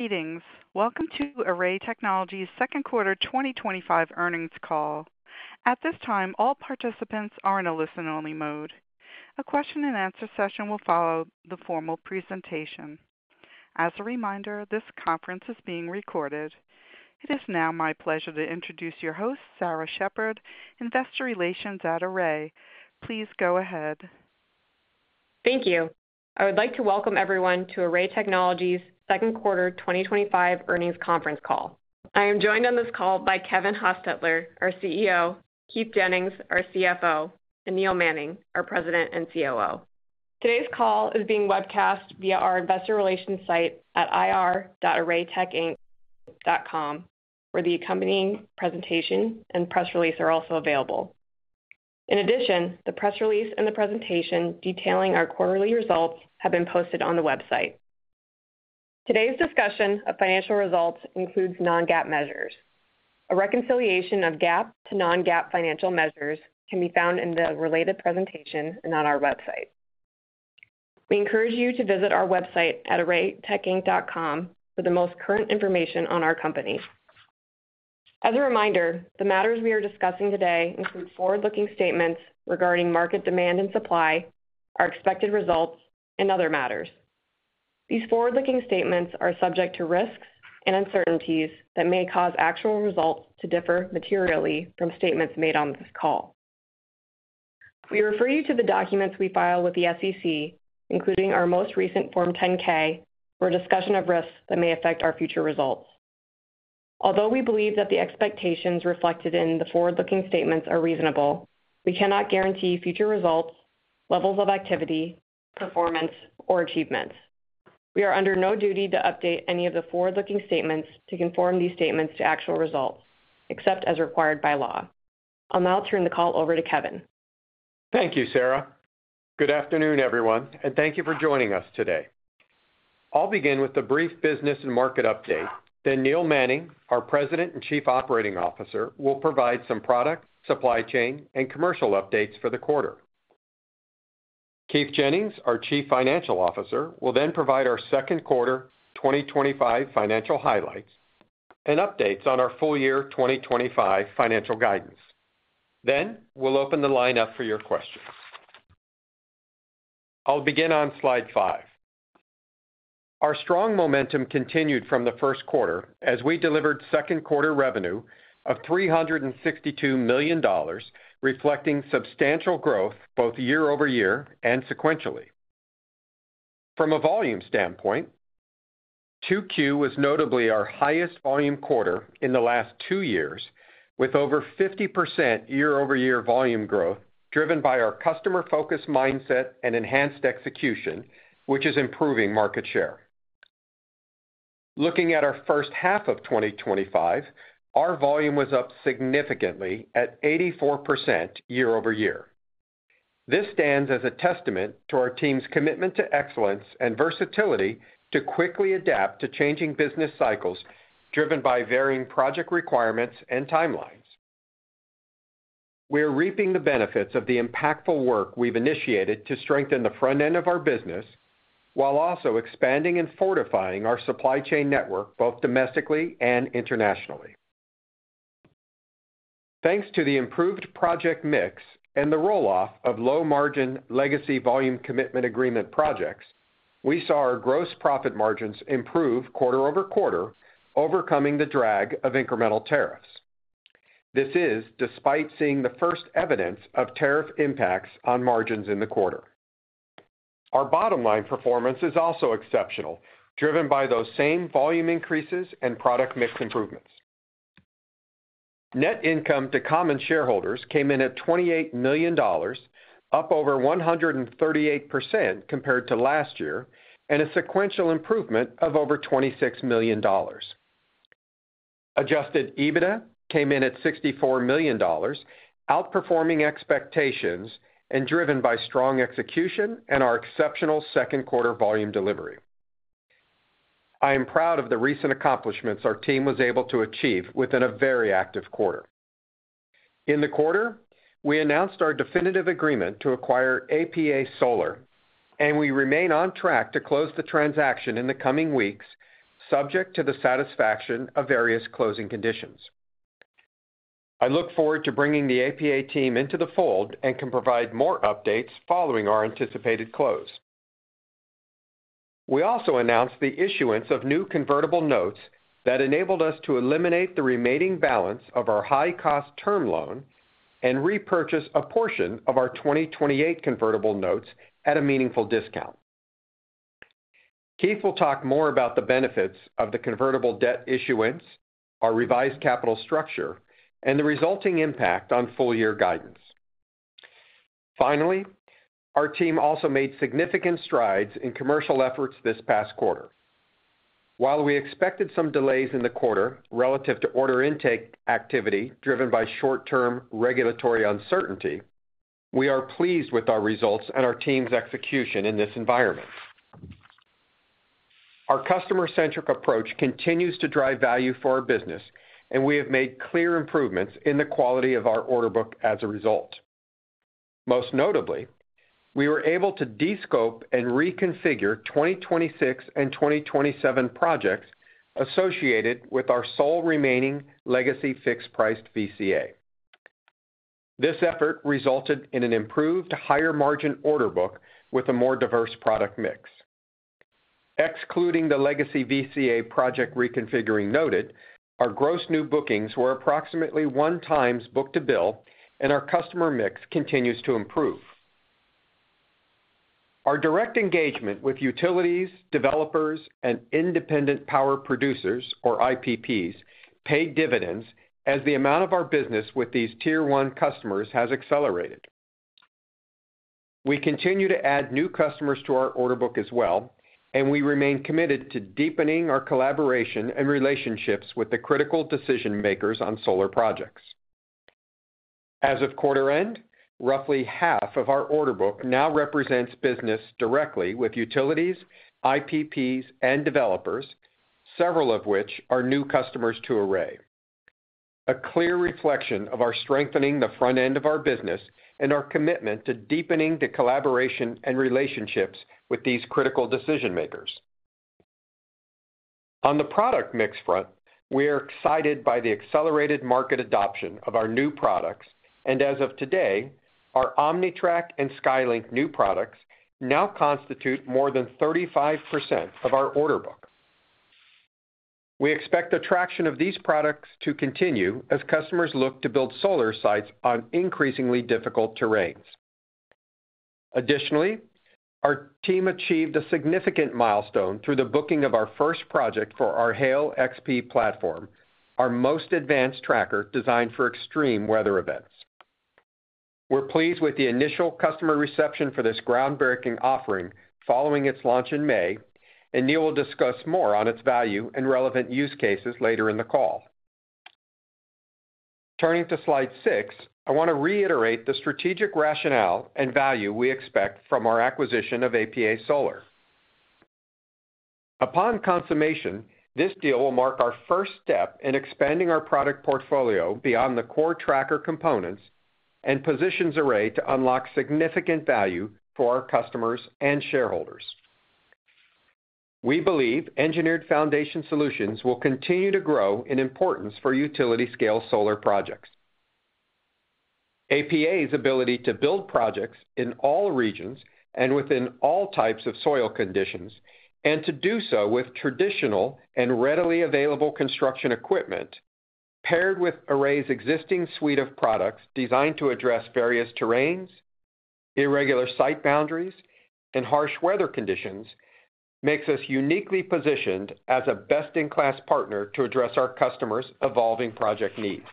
Meetings. Welcome to Array Technologies' Second Quarter 2025 Earnings Call. At this time, all participants are in a listen-only mode. A question and answer session will follow the formal presentation. As a reminder, this conference is being recorded. It is now my pleasure to introduce your host, Sarah Sheppard, Investor Relations at Array. Please go ahead. Thank you. I would like to welcome everyone to Array Technologies' Second Quarter 2025 Earnings Conference Call. I am joined on this call by Kevin Hostetler, our CEO, Keith Jennings, our CFO, and Neil Manning, our President and COO. Today's call is being webcast via our investor relations site at ir.arraytechinc.com, where the accompanying presentation and press release are also available. In addition, the press release and the presentation detailing our quarterly results have been posted on the website. Today's discussion of financial results includes non-GAAP measures. A reconciliation of GAAP to non-GAAP financial measures can be found in the related presentation and on our website. We encourage you to visit our website at arraytechinc.com for the most current information on our company. As a reminder, the matters we are discussing today include forward-looking statements regarding market demand and supply, our expected results, and other matters. These forward-looking statements are subject to risks and uncertainties that may cause actual results to differ materially from statements made on this call. We refer you to the documents we file with the SEC, including our most recent Form 10-K, for a discussion of risks that may affect our future results. Although we believe that the expectations reflected in the forward-looking statements are reasonable, we cannot guarantee future results, levels of activity, performance, or achievements. We are under no duty to update any of the forward-looking statements to conform these statements to actual results, except as required by law. I'll now turn the call over to Kevin. Thank you, Sarah. Good afternoon, everyone, and thank you for joining us today. I'll begin with a brief business and market update. Neil Manning, our President and Chief Operating Officer, will provide some product, supply chain, and commercial updates for the quarter. Keith Jennings, our Chief Financial Officer, will then provide our second quarter 2025 financial highlights and updates on our full year 2025 financial guidance. We will open the line up for your questions. I'll begin on slide five. Our strong momentum continued from the first quarter as we delivered second quarter revenue of $362 million, reflecting substantial growth both year-over-year and sequentially. From a volume standpoint, Q2 was notably our highest volume quarter in the last two years, with over 50% year-over-year volume growth driven by our customer-focused mindset and enhanced execution, which is improving market share. Looking at our first half of 2025, our volume was up significantly at 84% year-over-year. This stands as a testament to our team's commitment to excellence and versatility to quickly adapt to changing business cycles driven by varying project requirements and timelines. We're reaping the benefits of the impactful work we've initiated to strengthen the front end of our business while also expanding and fortifying our supply chain network both domestically and internationally. Thanks to the improved project mix and the rolloff of low-margin legacy volume commitment agreement projects, we saw our gross profit margins improve quarter over quarter, overcoming the drag of incremental tariffs. This is despite seeing the first evidence of tariff impacts on margins in the quarter. Our bottom line performance is also exceptional, driven by those same volume increases and product mix improvements. Net income to common shareholders came in at $28 million, up over 138% compared to last year, and a sequential improvement of over $26 million. Adjusted EBITDA came in at $64 million, outperforming expectations and driven by strong execution and our exceptional second quarter volume delivery. I am proud of the recent accomplishments our team was able to achieve within a very active quarter. In the quarter, we announced our definitive agreement to acquire APA Solar, and we remain on track to close the transaction in the coming weeks, subject to the satisfaction of various closing conditions. I look forward to bringing the APA team into the fold and can provide more updates following our anticipated close. We also announced the issuance of new convertible notes that enabled us to eliminate the remaining balance of our high-cost term loan and repurchase a portion of our 2028 convertible notes at a meaningful discount. Keith will talk more about the benefits of the convertible debt issuance, our revised capital structure, and the resulting impact on full-year guidance. Finally, our team also made significant strides in commercial efforts this past quarter. While we expected some delays in the quarter relative to order intake activity driven by short-term regulatory uncertainty, we are pleased with our results and our team's execution in this environment. Our customer-centric approach continues to drive value for our business, and we have made clear improvements in the quality of our order book as a result. Most notably, we were able to de-scope and reconfigure 2026 and 2027 projects associated with our sole remaining legacy fixed-priced VCA. This effort resulted in an improved higher margin order book with a more diverse product mix. Excluding the legacy VCA project reconfiguring noted, our gross new bookings were approximately one times book-to-bill, and our customer mix continues to improve. Our direct engagement with utilities, developers, and independent power producers, or IPPs, paid dividends as the amount of our business with these tier one customers has accelerated. We continue to add new customers to our order book as well, and we remain committed to deepening our collaboration and relationships with the critical decision makers on solar projects. As of quarter end, roughly half of our order book now represents business directly with utilities, IPPs, and developers, several of which are new customers to Array. A clear reflection of our strengthening the front end of our business and our commitment to deepening the collaboration and relationships with these critical decision makers. On the product mix front, we are excited by the accelerated market adoption of our new products, and as of today, our OmniTrak and SkyLink new products now constitute more than 35% of our order book. We expect the traction of these products to continue as customers look to build solar sites on increasingly difficult terrains. Additionally, our team achieved a significant milestone through the booking of our first project for our Hail XP platform, our most advanced tracker designed for extreme weather events. We're pleased with the initial customer reception for this groundbreaking offering following its launch in May, and Neil will discuss more on its value and relevant use cases later in the call. Turning to slide six, I want to reiterate the strategic rationale and value we expect from our acquisition of APA Solar. Upon consummation, this deal will mark our first step in expanding our product portfolio beyond the core tracker components and positions Array to unlock significant value for our customers and shareholders. We believe engineered foundation solutions will continue to grow in importance for utility-scale solar projects. APA's ability to build projects in all regions and within all types of soil conditions, and to do so with traditional and readily available construction equipment paired with Array's existing suite of products designed to address various terrains, irregular site boundaries, and harsh weather conditions makes us uniquely positioned as a best-in-class partner to address our customers' evolving project needs.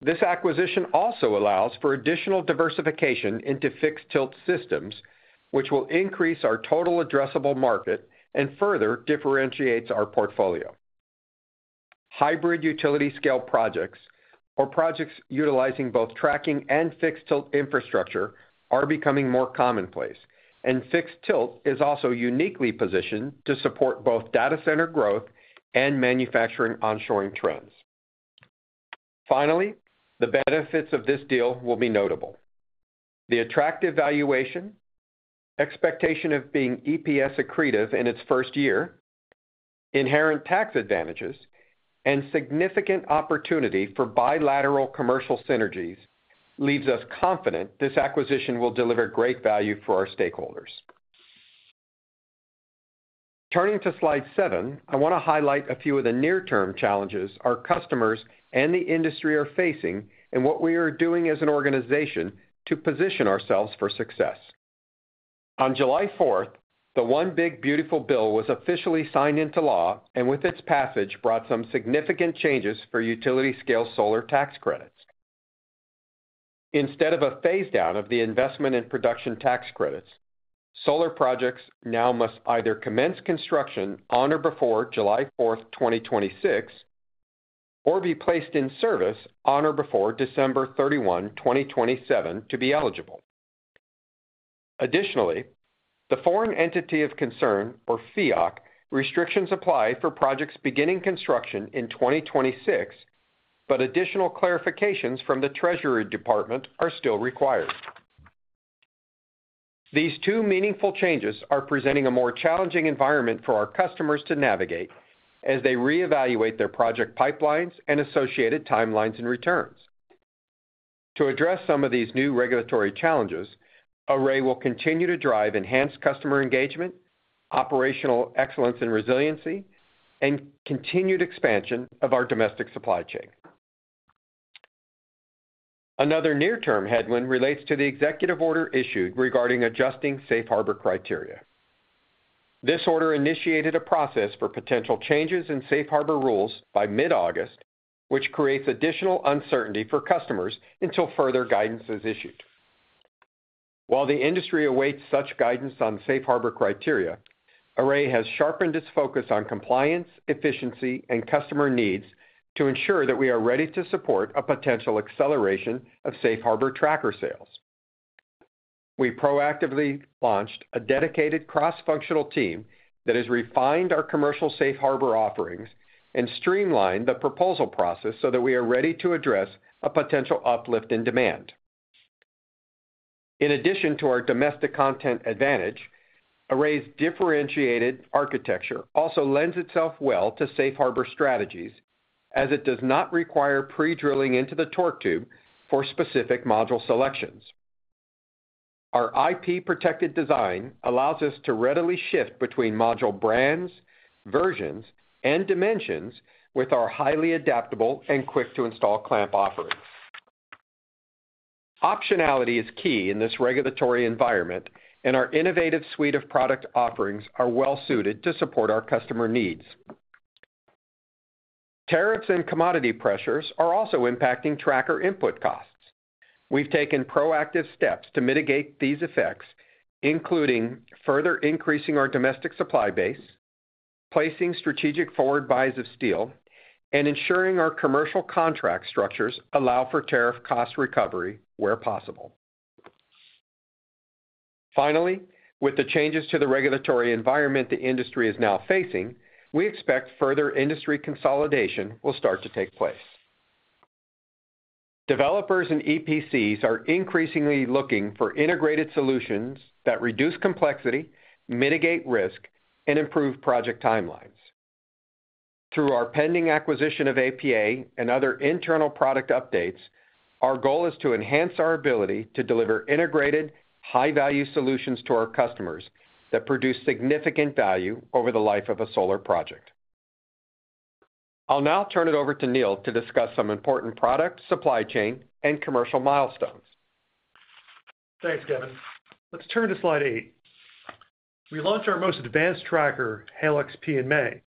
This acquisition also allows for additional diversification into fixed-tilt systems, which will increase our total addressable market and further differentiate our portfolio. Hybrid utility-scale projects, or projects utilizing both tracking and fixed-tilt infrastructure, are becoming more commonplace, and fixed-tilt is also uniquely positioned to support both data center growth and manufacturing onshoring trends. Finally, the benefits of this deal will be notable: the attractive valuation, expectation of being EPS accretive in its first year, inherent tax advantages, and significant opportunity for bilateral commercial synergies leave us confident this acquisition will deliver great value for our stakeholders. Turning to slide seven, I want to highlight a few of the near-term challenges our customers and the industry are facing and what we are doing as an organization to position ourselves for success. On July 4th, the One Big Beautiful Bill was officially signed into law and with its passage brought some significant changes for utility-scale solar tax credits. Instead of a phase-down of the investment and production tax credits, solar projects now must either commence construction on or before July 4th 2026, or be placed in service on or before December 31, 2027, to be eligible. Additionally, the Foreign Entity of Concern, or FEOC, restrictions apply for projects beginning construction in 2026, but additional clarifications from the Treasury Department are still required. These two meaningful changes are presenting a more challenging environment for our customers to navigate as they reevaluate their project pipelines and associated timelines and returns. To address some of these new regulatory challenges, Array will continue to drive enhanced customer engagement, operational excellence and resiliency, and continued expansion of our domestic supply chain. Another near-term headwind relates to the executive order issued regarding adjusting Safe Harbor criteria. This order initiated a process for potential changes in Safe Harbor rules by mid-August, which creates additional uncertainty for customers until further guidance is issued. While the industry awaits such guidance on Safe Harbor criteria, Array has sharpened its focus on compliance, efficiency, and customer needs to ensure that we are ready to support a potential acceleration of Safe Harbor tracker sales. We proactively launched a dedicated cross-functional team that has refined our commercial Safe Harbor offerings and streamlined the proposal process so that we are ready to address a potential uplift in demand. In addition to our domestic content advantage, Array's differentiated architecture also lends itself well to Safe Harbor strategies, as it does not require pre-drilling into the torque tube for specific module selections. Our IP-protected design allows us to readily shift between module brands, versions, and dimensions with our highly adaptable and quick-to-install clamp offerings. Optionality is key in this regulatory environment, and our innovative suite of product offerings is well-suited to support our customer needs. Tariffs and commodity pressures are also impacting tracker input costs. We've taken proactive steps to mitigate these effects, including further increasing our domestic supply base, placing strategic forward buys of steel, and ensuring our commercial contract structures allow for tariff cost recovery where possible. Finally, with the changes to the regulatory environment the industry is now facing, we expect further industry consolidation will start to take place. Developers and EPCs are increasingly looking for integrated solutions that reduce complexity, mitigate risk, and improve project timelines. Through our pending acquisition of APA and other internal product updates, our goal is to enhance our ability to deliver integrated, high-value solutions to our customers that produce significant value over the life of a solar project. I'll now turn it over to Neil to discuss some important product, supply chain, and commercial milestones. Thanks, Kevin. Let's turn to slide eight. We launched our most advanced tracker, Hail XP, in May.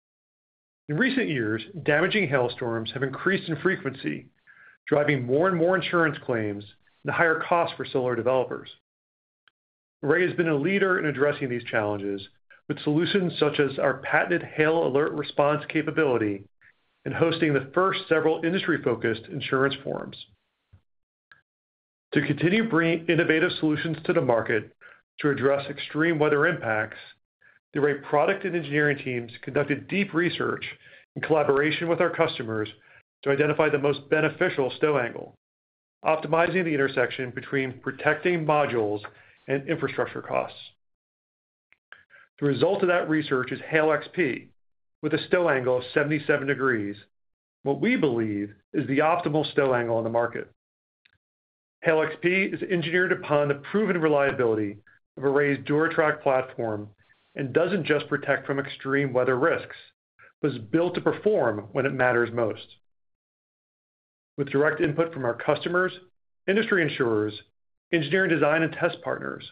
In recent years, damaging hailstorms have increased in frequency, driving more and more insurance claims and a higher cost for solar developers. Array has been a leader in addressing these challenges with solutions such as our patented Hail Alert Response capability and hosting the first several industry-focused insurance forums. To continue bringing innovative solutions to the market to address extreme weather impacts, the Array product and engineering teams conducted deep research in collaboration with our customers to identify the most beneficial stow angle, optimizing the intersection between protecting modules and infrastructure costs. The result of that research is Hail XP, with a stow angle of 77 degress, what we believe is the optimal stow angle on the market. Hail XP is engineered upon the proven reliability of Array's DuraTrack platform and doesn't just protect from extreme weather risks, but is built to perform when it matters most. With direct input from our customers, industry insurers, engineer design and test partners,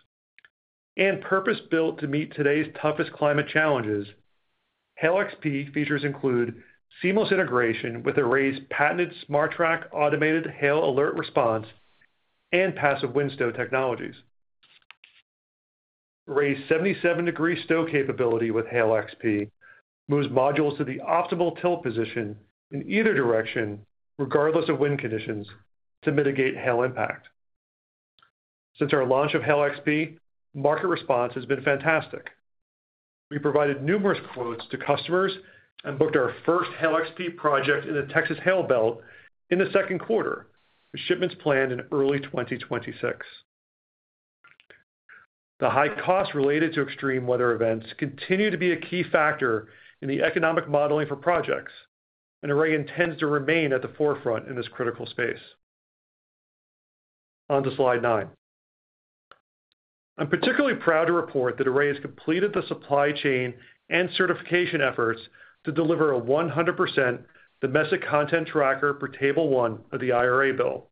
and purpose-built to meet today's toughest climate challenges, Hail XP features include seamless integration with Array's patented SmartTrack automated Hail Alert Response and passive wind stow technologies. Array's 77 degree stow capability with Hail XP moves modules to the optimal tilt position in either direction, regardless of wind conditions, to mitigate hail impact. Since our launch of Hail XP, market response has been fantastic. We provided numerous quotes to customers and booked our first Hail XP project in the Texas Hail Belt in the second quarter, with shipments planned in early 2026. The high costs related to extreme weather events continue to be a key factor in the economic modeling for projects, and Array intends to remain at the forefront in this critical space. On to slide nine. I'm particularly proud to report that Array has completed the supply chain and certification efforts to deliver a 100% domestic content tracker per table one of the IRA bill.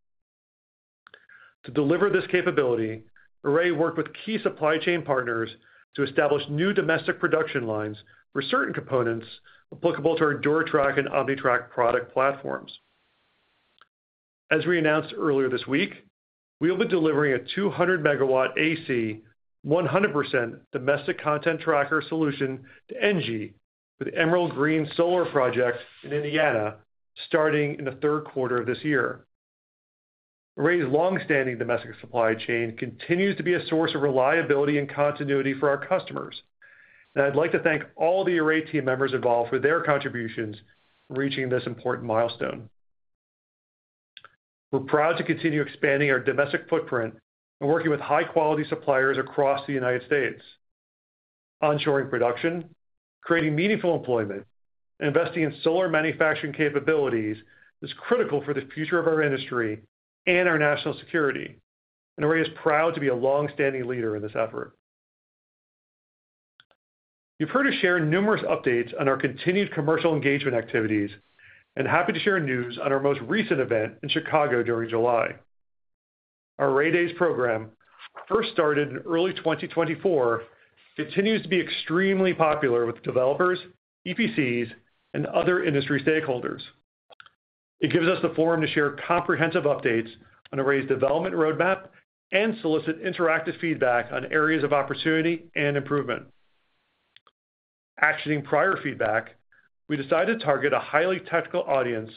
To deliver this capability, Array worked with key supply chain partners to establish new domestic production lines for certain components applicable to our DuraTrak and OmniTrak product platforms. As we announced earlier this week, we will be delivering a 200 MW AC, 100% domestic content tracker solution to ENGIE with Emerald Green Solar projects in Indiana, starting in the third quarter of this year. Array's longstanding domestic supply chain continues to be a source of reliability and continuity for our customers, and I'd like to thank all the Array team members involved for their contributions in reaching this important milestone. We're proud to continue expanding our domestic footprint and working with high-quality suppliers across the United States. Onshoring production, creating meaningful employment, and investing in solar manufacturing capabilities is critical for the future of our industry and our national security, and Array is proud to be a longstanding leader in this effort. You've heard us share numerous updates on our continued commercial engagement activities, and happy to share news on our most recent event in Chicago during July. Our Array Days program, first started in early 2024, continues to be extremely popular with developers, EPCs, and other industry stakeholders. It gives us the forum to share comprehensive updates on Array's development roadmap and solicit interactive feedback on areas of opportunity and improvement. Actioning prior feedback, we decided to target a highly technical audience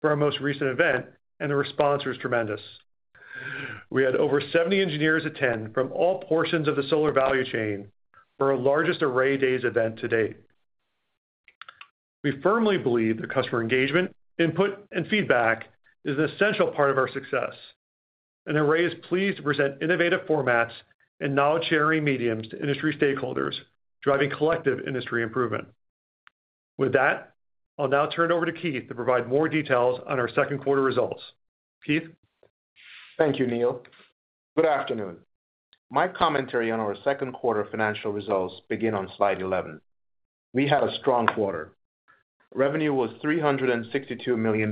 for our most recent event, and the response was tremendous. We had over 70 engineers attend from all portions of the solar value chain for our largest Array Days event to date. We firmly believe that customer engagement, input, and feedback is an essential part of our success, and Array is pleased to present innovative formats and knowledge-sharing mediums to industry stakeholders, driving collective industry improvement. With that, I'll now turn it over to Keith to provide more details on our second quarter results. Keith? Thank you, Neil. Good afternoon. My commentary on our second quarter financial results begins on slide 11. We had a strong quarter. Revenue was $362 million,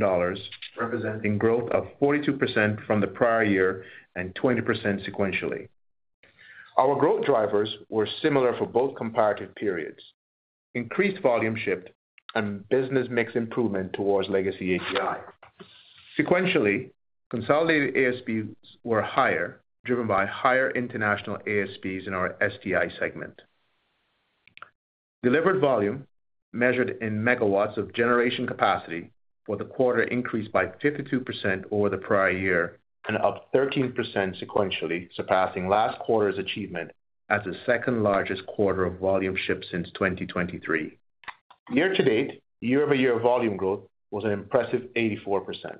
representing growth of 42% from the prior year and 20% sequentially. Our growth drivers were similar for both comparative periods: increased volume shipped and business mix improvement towards legacy API. Sequentially, consolidated ASPs were higher, driven by higher international ASPs in our SDI segment. Delivered volume, measured in megawatts of generation capacity, for the quarter increased by 52% over the prior year and up 13% sequentially, surpassing last quarter's achievement as the second largest quarter of volume shipped since 2023. Year to date, year-over-year volume growth was an impressive 84%.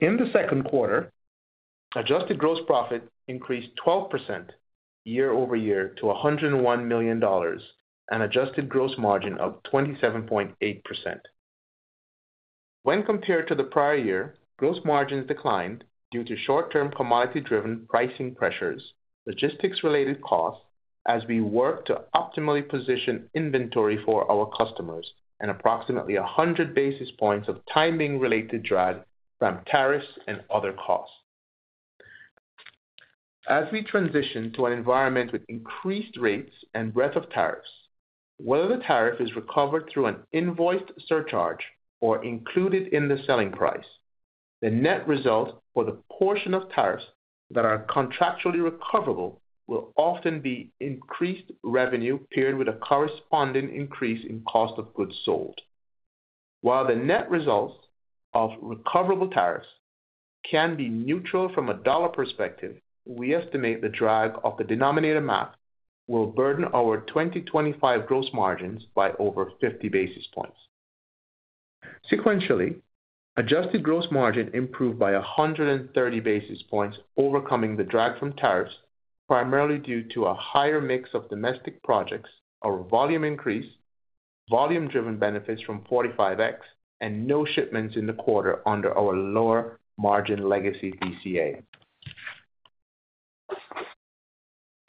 In the second quarter, adjusted gross profit increased 12% year-over-year to $101 million and adjusted gross margin of 27.8%. When compared to the prior year, gross margins declined due to short-term commodity-driven pricing pressures, logistics-related costs, as we worked to optimally position inventory for our customers, and approximately 100 basis points of timing-related drag from tariffs and other costs. As we transition to an environment with increased rates and breadth of tariffs, whether the tariff is recovered through an invoiced surcharge or included in the selling price, the net result for the portion of tariffs that are contractually recoverable will often be increased revenue paired with a corresponding increase in cost of goods sold. While the net results of recoverable tariffs can be neutral from a dollar perspective, we estimate the drag of the denominator math will burden our 2025 gross margins by over 50 basis points. Sequentially, adjusted gross margin improved by 130 basis points, overcoming the drag from tariffs, primarily due to a higher mix of domestic projects, our volume increase, volume-driven benefits from 45x, and no shipments in the quarter under our lower margin legacy VCA.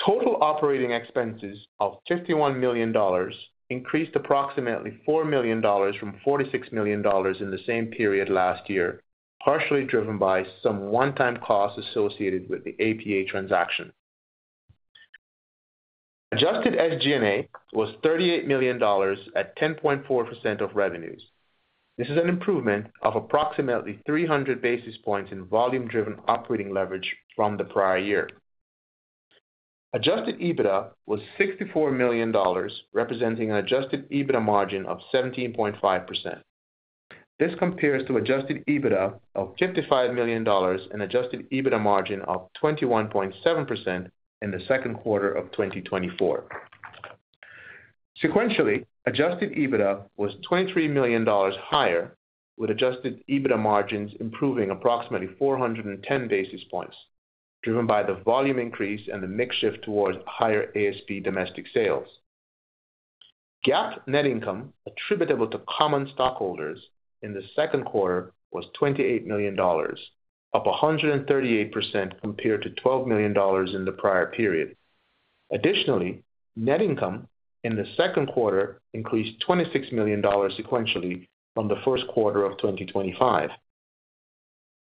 Total operating expenses of $51 million increased approximately $4 million from $46 million in the same period last year, partially driven by some one-time costs associated with the APA transaction. Adjusted SG&A was $38 million at 10.4% of revenues. This is an improvement of approximately 300 basis points in volume-driven operating leverage from the prior year. Adjusted EBITDA was $64 million, representing an adjusted EBITDA margin of 17.5%. This compares to an adjusted EBITDA of $55 million and an adjusted EBITDA margin of 21.7% in the second quarter of 2024. Sequentially, adjusted EBITDA was $23 million higher, with adjusted EBITDA margins improving approximately 410 basis points, driven by the volume increase and the mix shift towards higher ASP domestic sales. GAAP net income attributable to common stockholders in the second quarter was $28 million, up 138% compared to $12 million in the prior period. Additionally, net income in the second quarter increased $26 million sequentially from the first quarter of 2024.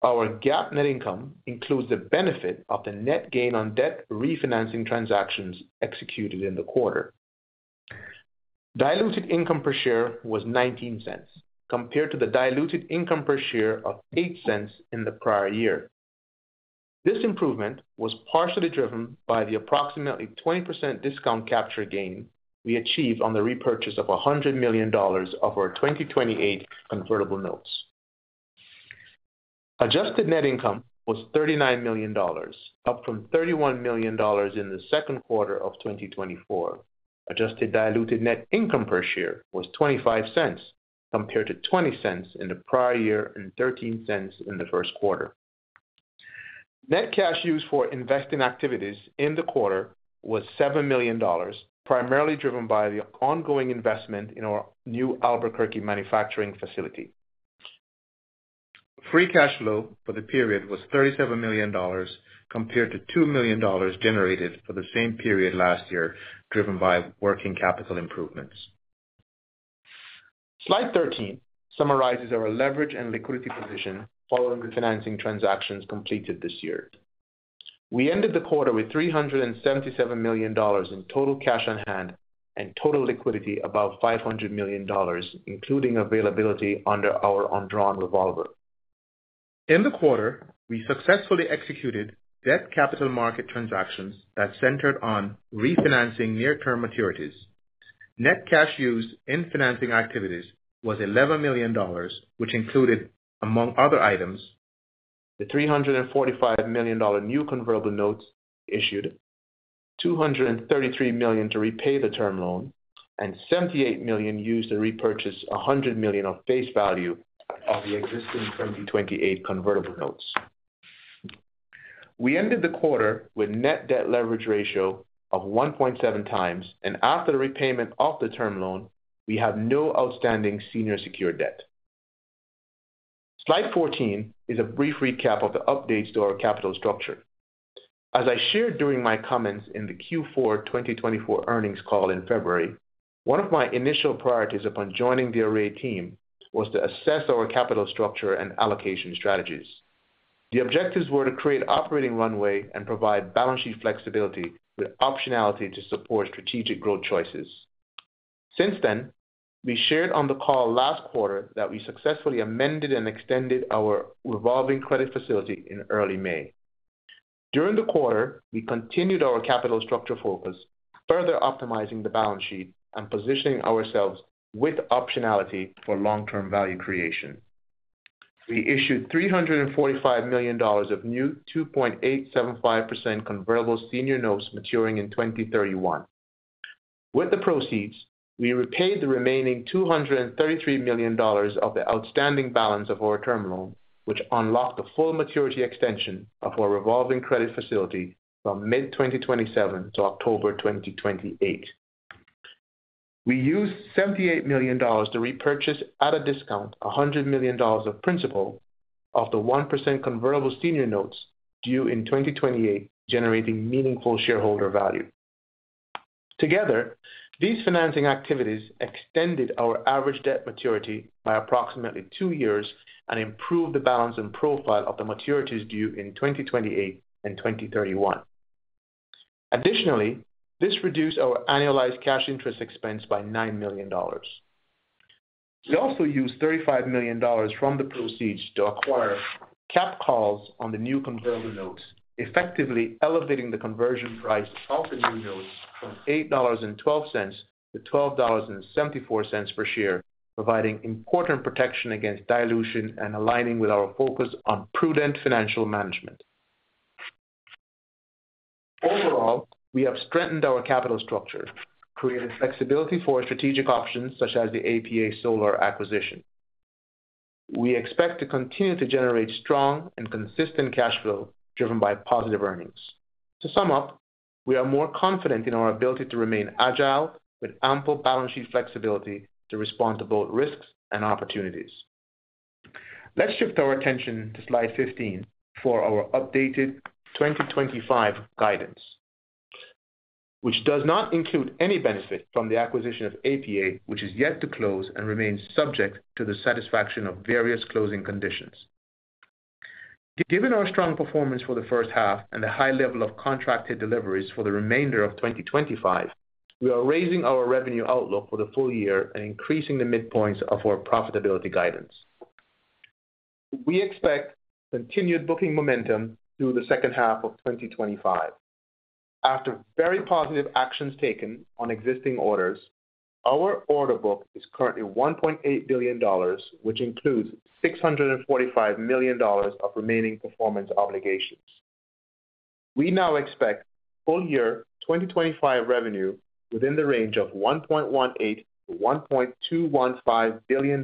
Our GAAP net income includes the benefit of the net gain on debt refinancing transactions executed in the quarter. Diluted income per share was $0.19 compared to the diluted income per share of $0.08 in the prior year. This improvement was partially driven by the approximately 20% discount capture gain we achieved on the repurchase of $100 million of our 2028 convertible notes. Adjusted net income was $39 million, up from $31 million in the second quarter of 2024. Adjusted diluted net income per share was $0.25 compared to $0.20 in the prior year and $0.13 in the first quarter. Net cash used for investing activities in the quarter was $7 million, primarily driven by the ongoing investment in our new Albuquerque manufacturing facility. Free cash flow for the period was $37 million compared to $2 million generated for the same period last year, driven by working capital improvements. Slide 13 summarizes our leverage and liquidity position following the financing transactions completed this year. We ended the quarter with $377 million in total cash on hand and total liquidity above $500 million, including availability under our undrawn revolver. In the quarter, we successfully executed debt capital market transactions that centered on refinancing near-term maturities. Net cash used in financing activities was $11 million, which included, among other items, the $345 million new convertible notes issued, $233 million to repay the term loan, and $78 million used to repurchase $100 million of face value of the existing 2028 convertible notes. We ended the quarter with a net debt leverage ratio of 1.7x, and after the repayment of the term loan, we have no outstanding senior secured debt. Slide 14 is a brief recap of the updates to our capital structure. As I shared during my comments in the Q4 2024 earnings call in February, one of my initial priorities upon joining the Array team was to assess our capital structure and allocation strategies. The objectives were to create operating runway and provide balance sheet flexibility with optionality to support strategic growth choices. Since then, we shared on the call last quarter that we successfully amended and extended our revolving credit facility in early May. During the quarter, we continued our capital structure focus, further optimizing the balance sheet and positioning ourselves with optionality for long-term value creation. We issued $345 million of new 2.875% convertible senior notes maturing in 2031. With the proceeds, we repaid the remaining $233 million of the outstanding balance of our term loan, which unlocked a full maturity extension of our revolving credit facility from mid-2027 to October 2028. We used $78 million to repurchase at a discount $100 million of principal of the 1% convertible senior notes due in 2028, generating meaningful shareholder value. Together, these financing activities extended our average debt maturity by approximately two years and improved the balance and profile of the maturities due in 2028 and 2031. Additionally, this reduced our annualized cash interest expense by $9 million. We also used $35 million from the proceeds to acquire cap calls on the new convertible notes, effectively elevating the conversion price of the new notes from $8.12 to $12.74 per share, providing important protection against dilution and aligning with our focus on prudent financial management. Thank you all. We have strengthened our capital structure, creating the flexibility for strategic options such as the APA Solar acquisition. We expect to continue to generate strong and consistent cash flow driven by positive earnings. To sum up, we are more confident in our ability to remain agile with ample balance sheet flexibility to respond to both risks and opportunities. Let's shift our attention to slide 15 for our updated 2025 guidance, which does not include any benefit from the acquisition of APA, which is yet to close and remains subject to the satisfaction of various closing conditions. Given our strong performance for the first half and the high level of contracted deliveries for the remainder of 2025, we are raising our revenue outlook for the full year and increasing the midpoints of our profitability guidance. We expect continued booking momentum through the second half of 2025. After very positive actions taken on existing orders, our order book is currently $1.8 billion, which includes $645 million of remaining performance obligations. We now expect full-year 2025 revenue within the range of $1.18 billion-$1.215 billion,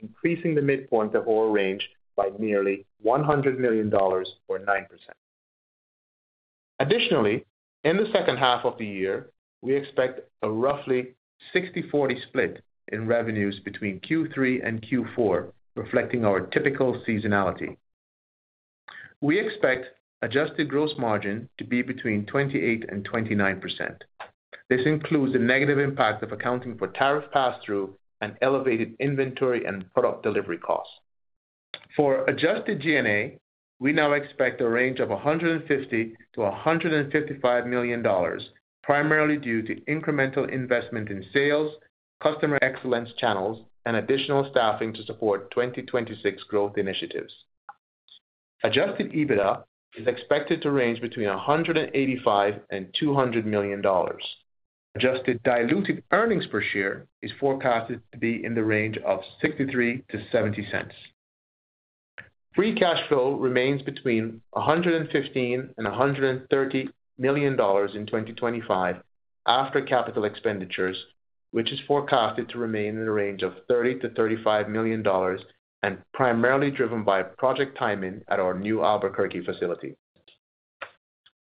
increasing the midpoint of our range by nearly $100 million or 9%. Additionally, in the second half of the year, we expect a roughly 60/40 split in revenues between Q3 and Q4, reflecting our typical seasonality. We expect adjusted gross margin to be between 28% and 29%. This includes the negative impact of accounting for tariff pass-through and elevated inventory and product delivery costs. For adjusted G&A, we now expect a range of $150 million-$155 million, primarily due to incremental investment in sales, customer excellence channels, and additional staffing to support 2026 growth initiatives. Adjusted EBITDA is expected to range between $185 million and $200 million. Adjusted diluted earnings per share is forecasted to be in the range of $0.63 to $0.70. Free cash flow remains between $115 and $130 million in 2025 after capital expenditures, which is forecasted to remain in the range of $30 milliom-$35 million and primarily driven by project timing at our new Albuquerque facility.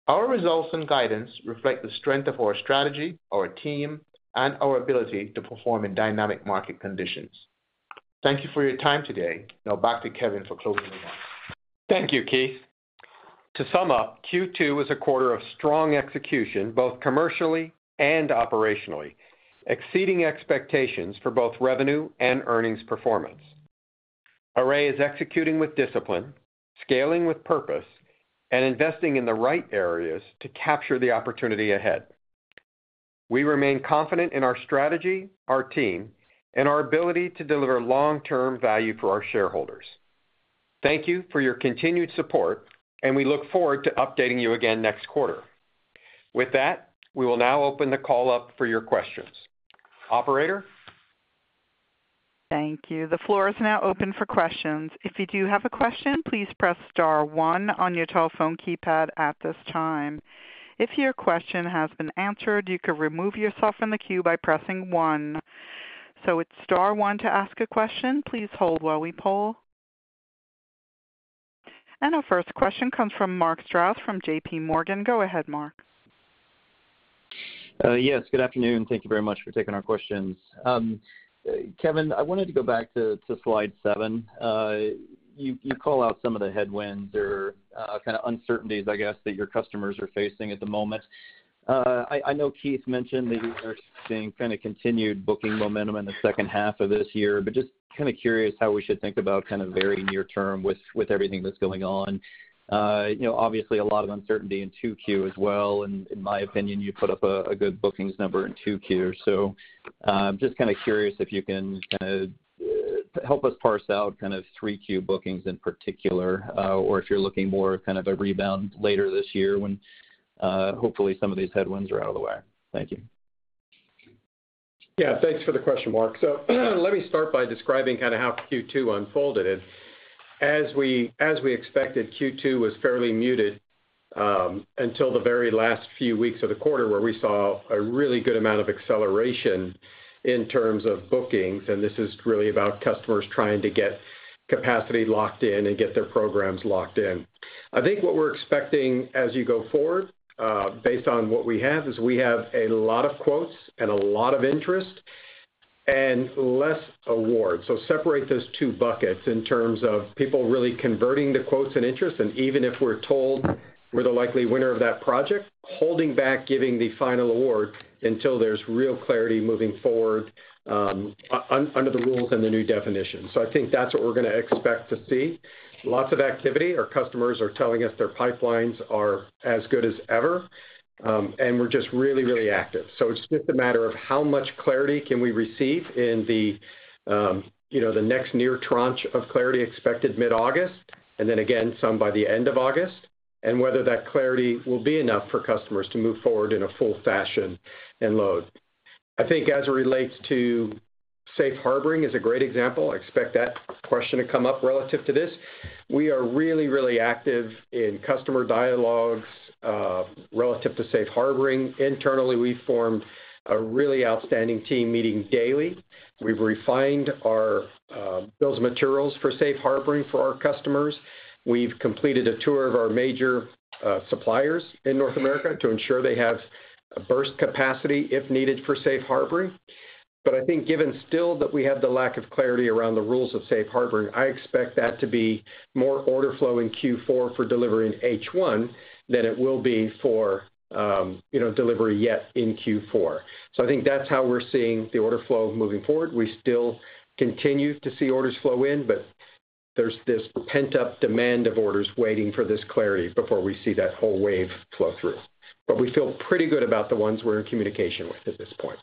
Our results and guidance reflect the strength of our strategy, our team, and our ability to perform in dynamic market conditions. Thank you for your time today. Now back to Kevin for closing reactions. Thank you, Keith. To sum up, Q2 was a quarter of strong execution both commercially and operationally, exceeding expectations for both revenue and earnings performance. Array is executing with discipline, scaling with purpose, and investing in the right areas to capture the opportunity ahead. We remain confident in our strategy, our team, and our ability to deliver long-term value for our shareholders. Thank you for your continued support, and we look forward to updating you again next quarter. With that, we will now open the call up for your questions. Operator? Thank you. The floor is now open for questions. If you do have a question, please press star one on your telephone keypad at this time. If your question has been answered, you can remove yourself from the queue by pressing one. It's star one to ask a question. Please hold while we poll. Our first question comes from Mark Strouse from JPMorgan. Go ahead, Mark. Yes. Good afternoon. Thank you very much for taking our questions. Kevin, I wanted to go back to slide seven. You call out some of the headwinds or kind of uncertainties, I guess, that your customers are facing at the moment. I know Keith mentioned that you are seeing kind of continued booking momentum in the second half of this year, but just kind of curious how we should think about kind of varying your term with everything that's going on. Obviously, a lot of uncertainty in 2Q as well, and in my opinion, you put up a good bookings number in 2Q. I'm just kind of curious if you can kind of help us parse out kind of 3Q bookings in particular, or if you're looking more at kind of a rebound later this year when hopefully some of these headwinds are out of the way. Thank you. Yeah, thanks for the question, Mark. Let me start by describing kind of how Q2 unfolded. As we expected, Q2 was fairly muted until the very last few weeks of the quarter, where we saw a really good amount of acceleration in terms of bookings. This is really about customers trying to get capacity locked in and get their programs locked in. I think what we're expecting as you go forward, based on what we have, is we have a lot of quotes and a lot of interest and less awards. Separate those two buckets in terms of people really converting the quotes and interest, and even if we're told we're the likely winner of that project, holding back giving the final award until there's real clarity moving forward under the rules and the new definitions. I think that's what we're going to expect to see. Lots of activity. Our customers are telling us their pipelines are as good as ever, and we're just really, really active. It's just a matter of how much clarity can we receive in the next near tranche of clarity expected mid-August, and then again some by the end of August, and whether that clarity will be enough for customers to move forward in a full fashion and load. I think as it relates to safe harboring is a great example. I expect that question to come up relative to this. We are really, really active in customer dialogues relative to safe harboring. Internally, we form a really outstanding team meeting daily. We've refined our bills of materials for safe harboring for our customers. We've completed a tour of our major suppliers in North America to ensure they have a burst capacity if needed for safe harboring. I think given still that we have the lack of clarity around the rules of safe harboring, I expect that to be more order flow in Q4 for delivery in H1 than it will be for delivery yet in Q4. I think that's how we're seeing the order flow moving forward. We still continue to see orders flow in, but there's this pent-up demand of orders waiting for this clarity before we see that whole wave flow through. We feel pretty good about the ones we're in communication with at this point.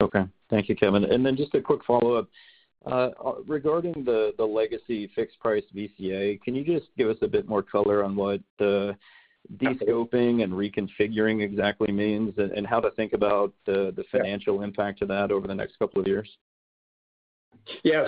Okay. Thank you, Kevin. Just a quick follow-up. Regarding the legacy fixed-priced VCA, can you just give us a bit more color on what the de-scoping and reconfiguring exactly means and how to think about the financial impact of that over the next couple of years? Yeah,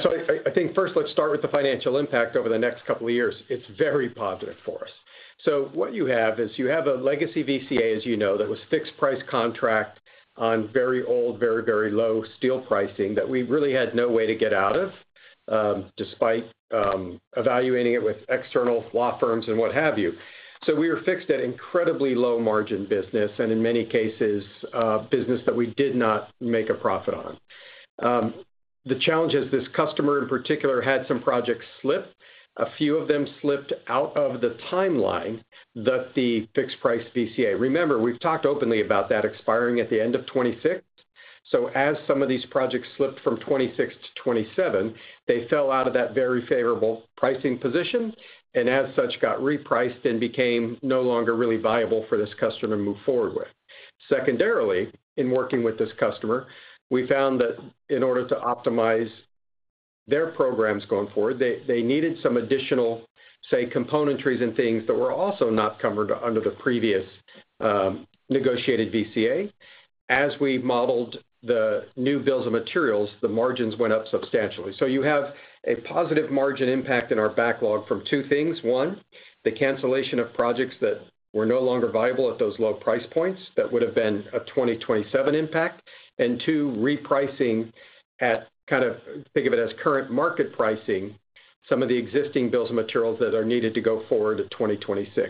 I think first let's start with the financial impact over the next couple of years. It's very positive for us. What you have is a legacy volume commitment agreement, as you know, that was a fixed-price contract on very old, very, very low steel pricing that we really had no way to get out of despite evaluating it with external law firms and what have you. We were fixed at incredibly low margin business, and in many cases, business that we did not make a profit on. The challenge is this customer in particular had some projects slip. A few of them slipped out of the timeline that the fixed-price volume commitment agreement covered. Remember, we've talked openly about that expiring at the end of 2026. As some of these projects slipped from 2026 to 2027, they fell out of that very favorable pricing position and as such got repriced and became no longer really viable for this customer to move forward with. Secondarily, in working with this customer, we found that in order to optimize their programs going forward, they needed some additional, say, componentries and things that were also not covered under the previous negotiated VCA. As we modeled the new bills of materials, the margins went up substantially. You have a positive margin impact in our backlog from two things. One, the cancellation of projects that were no longer viable at those low price points that would have been a 2027 impact. Two, repricing at, kind of think of it as current market pricing, some of the existing bills of materials that are needed to go forward to 2026.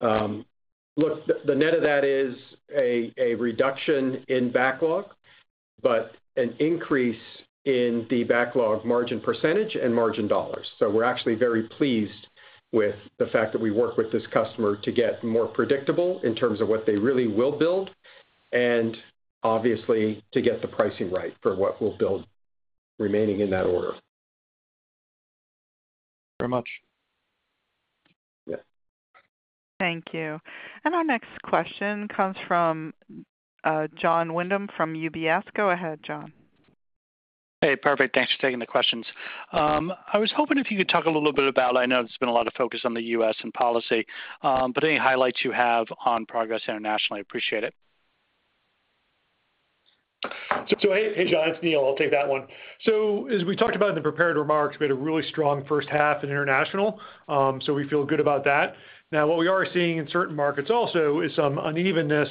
The net of that is a reduction in backlog, but an increase in the backlog margin percentage and margin dollars. We're actually very pleased with the fact that we work with this customer to get more predictable in terms of what they really will build and obviously to get the pricing right for what we'll build remaining in that order. Very much. Thank you. Our next question comes from Jonathan Windham from UBS. Go ahead, Jonathan. Hey, perfect. Thanks for taking the questions. I was hoping if you could talk a little bit about, I know there's been a lot of focus on the U.S. and policy, but any highlights you have on progress internationally, I'd appreciate it. John, it's Neil. I'll take that one. As we talked about in the prepared remarks, we had a really strong first half in international, so we feel good about that. What we are seeing in certain markets also is some unevenness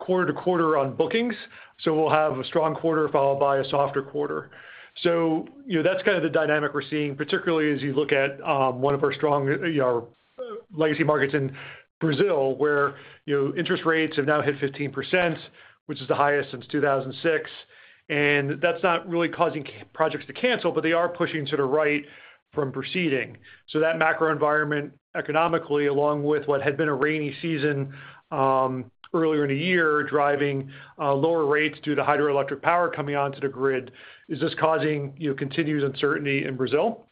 quarter to quarter on bookings. We'll have a strong quarter followed by a softer quarter. That's kind of the dynamic we're seeing, particularly as you look at one of our strong legacy markets in Brazil, where interest rates have now hit 15%, which is the highest since 2006. That's not really causing projects to cancel, but they are pushing to the right from proceeding. That macro environment economically, along with what had been a rainy season earlier in the year driving lower rates due to hydroelectric power coming onto the grid, is causing continued uncertainty in Brazil.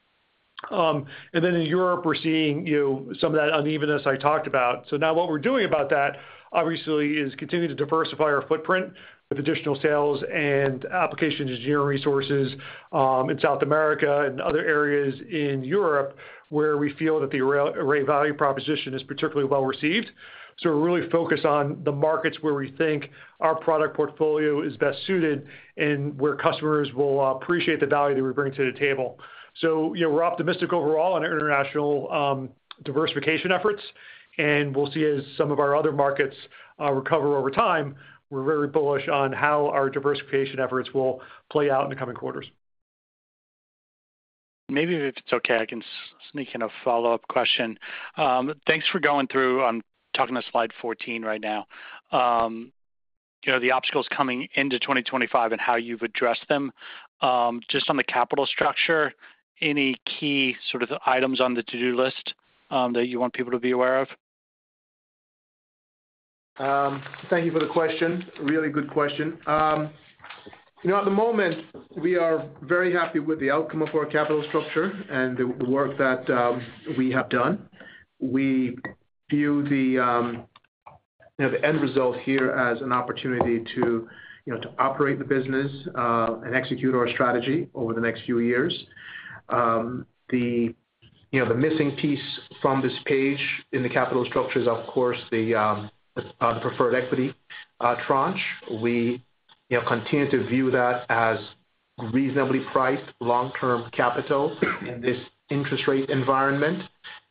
In Europe, we're seeing some of that unevenness I talked about. What we're doing about that, obviously, is continuing to diversify our footprint with additional sales and application engineering resources in South America and other areas in Europe where we feel that the Array value proposition is particularly well received. We're really focused on the markets where we think our product portfolio is best suited and where customers will appreciate the value that we bring to the table. We're optimistic overall on our international diversification efforts, and we'll see as some of our other markets recover over time. We're very bullish on how our diversification efforts will play out in the coming quarters. Maybe if it's okay, I can sneak in a follow-up question. Thanks for going through, I'm talking to slide 14 right now. You know, the obstacles coming into 2025 and how you've addressed them, just on the capital structure, any key sort of items on the to-do list that you want people to be aware of? Thank you for the question. Really good question. At the moment, we are very happy with the outcome of our capital structure and the work that we have done. We view the end result here as an opportunity to operate the business and execute our strategy over the next few years. The missing piece from this page in the capital structure is, of course, the preferred equity tranche. We continue to view that as reasonably priced long-term capital in this interest rate environment.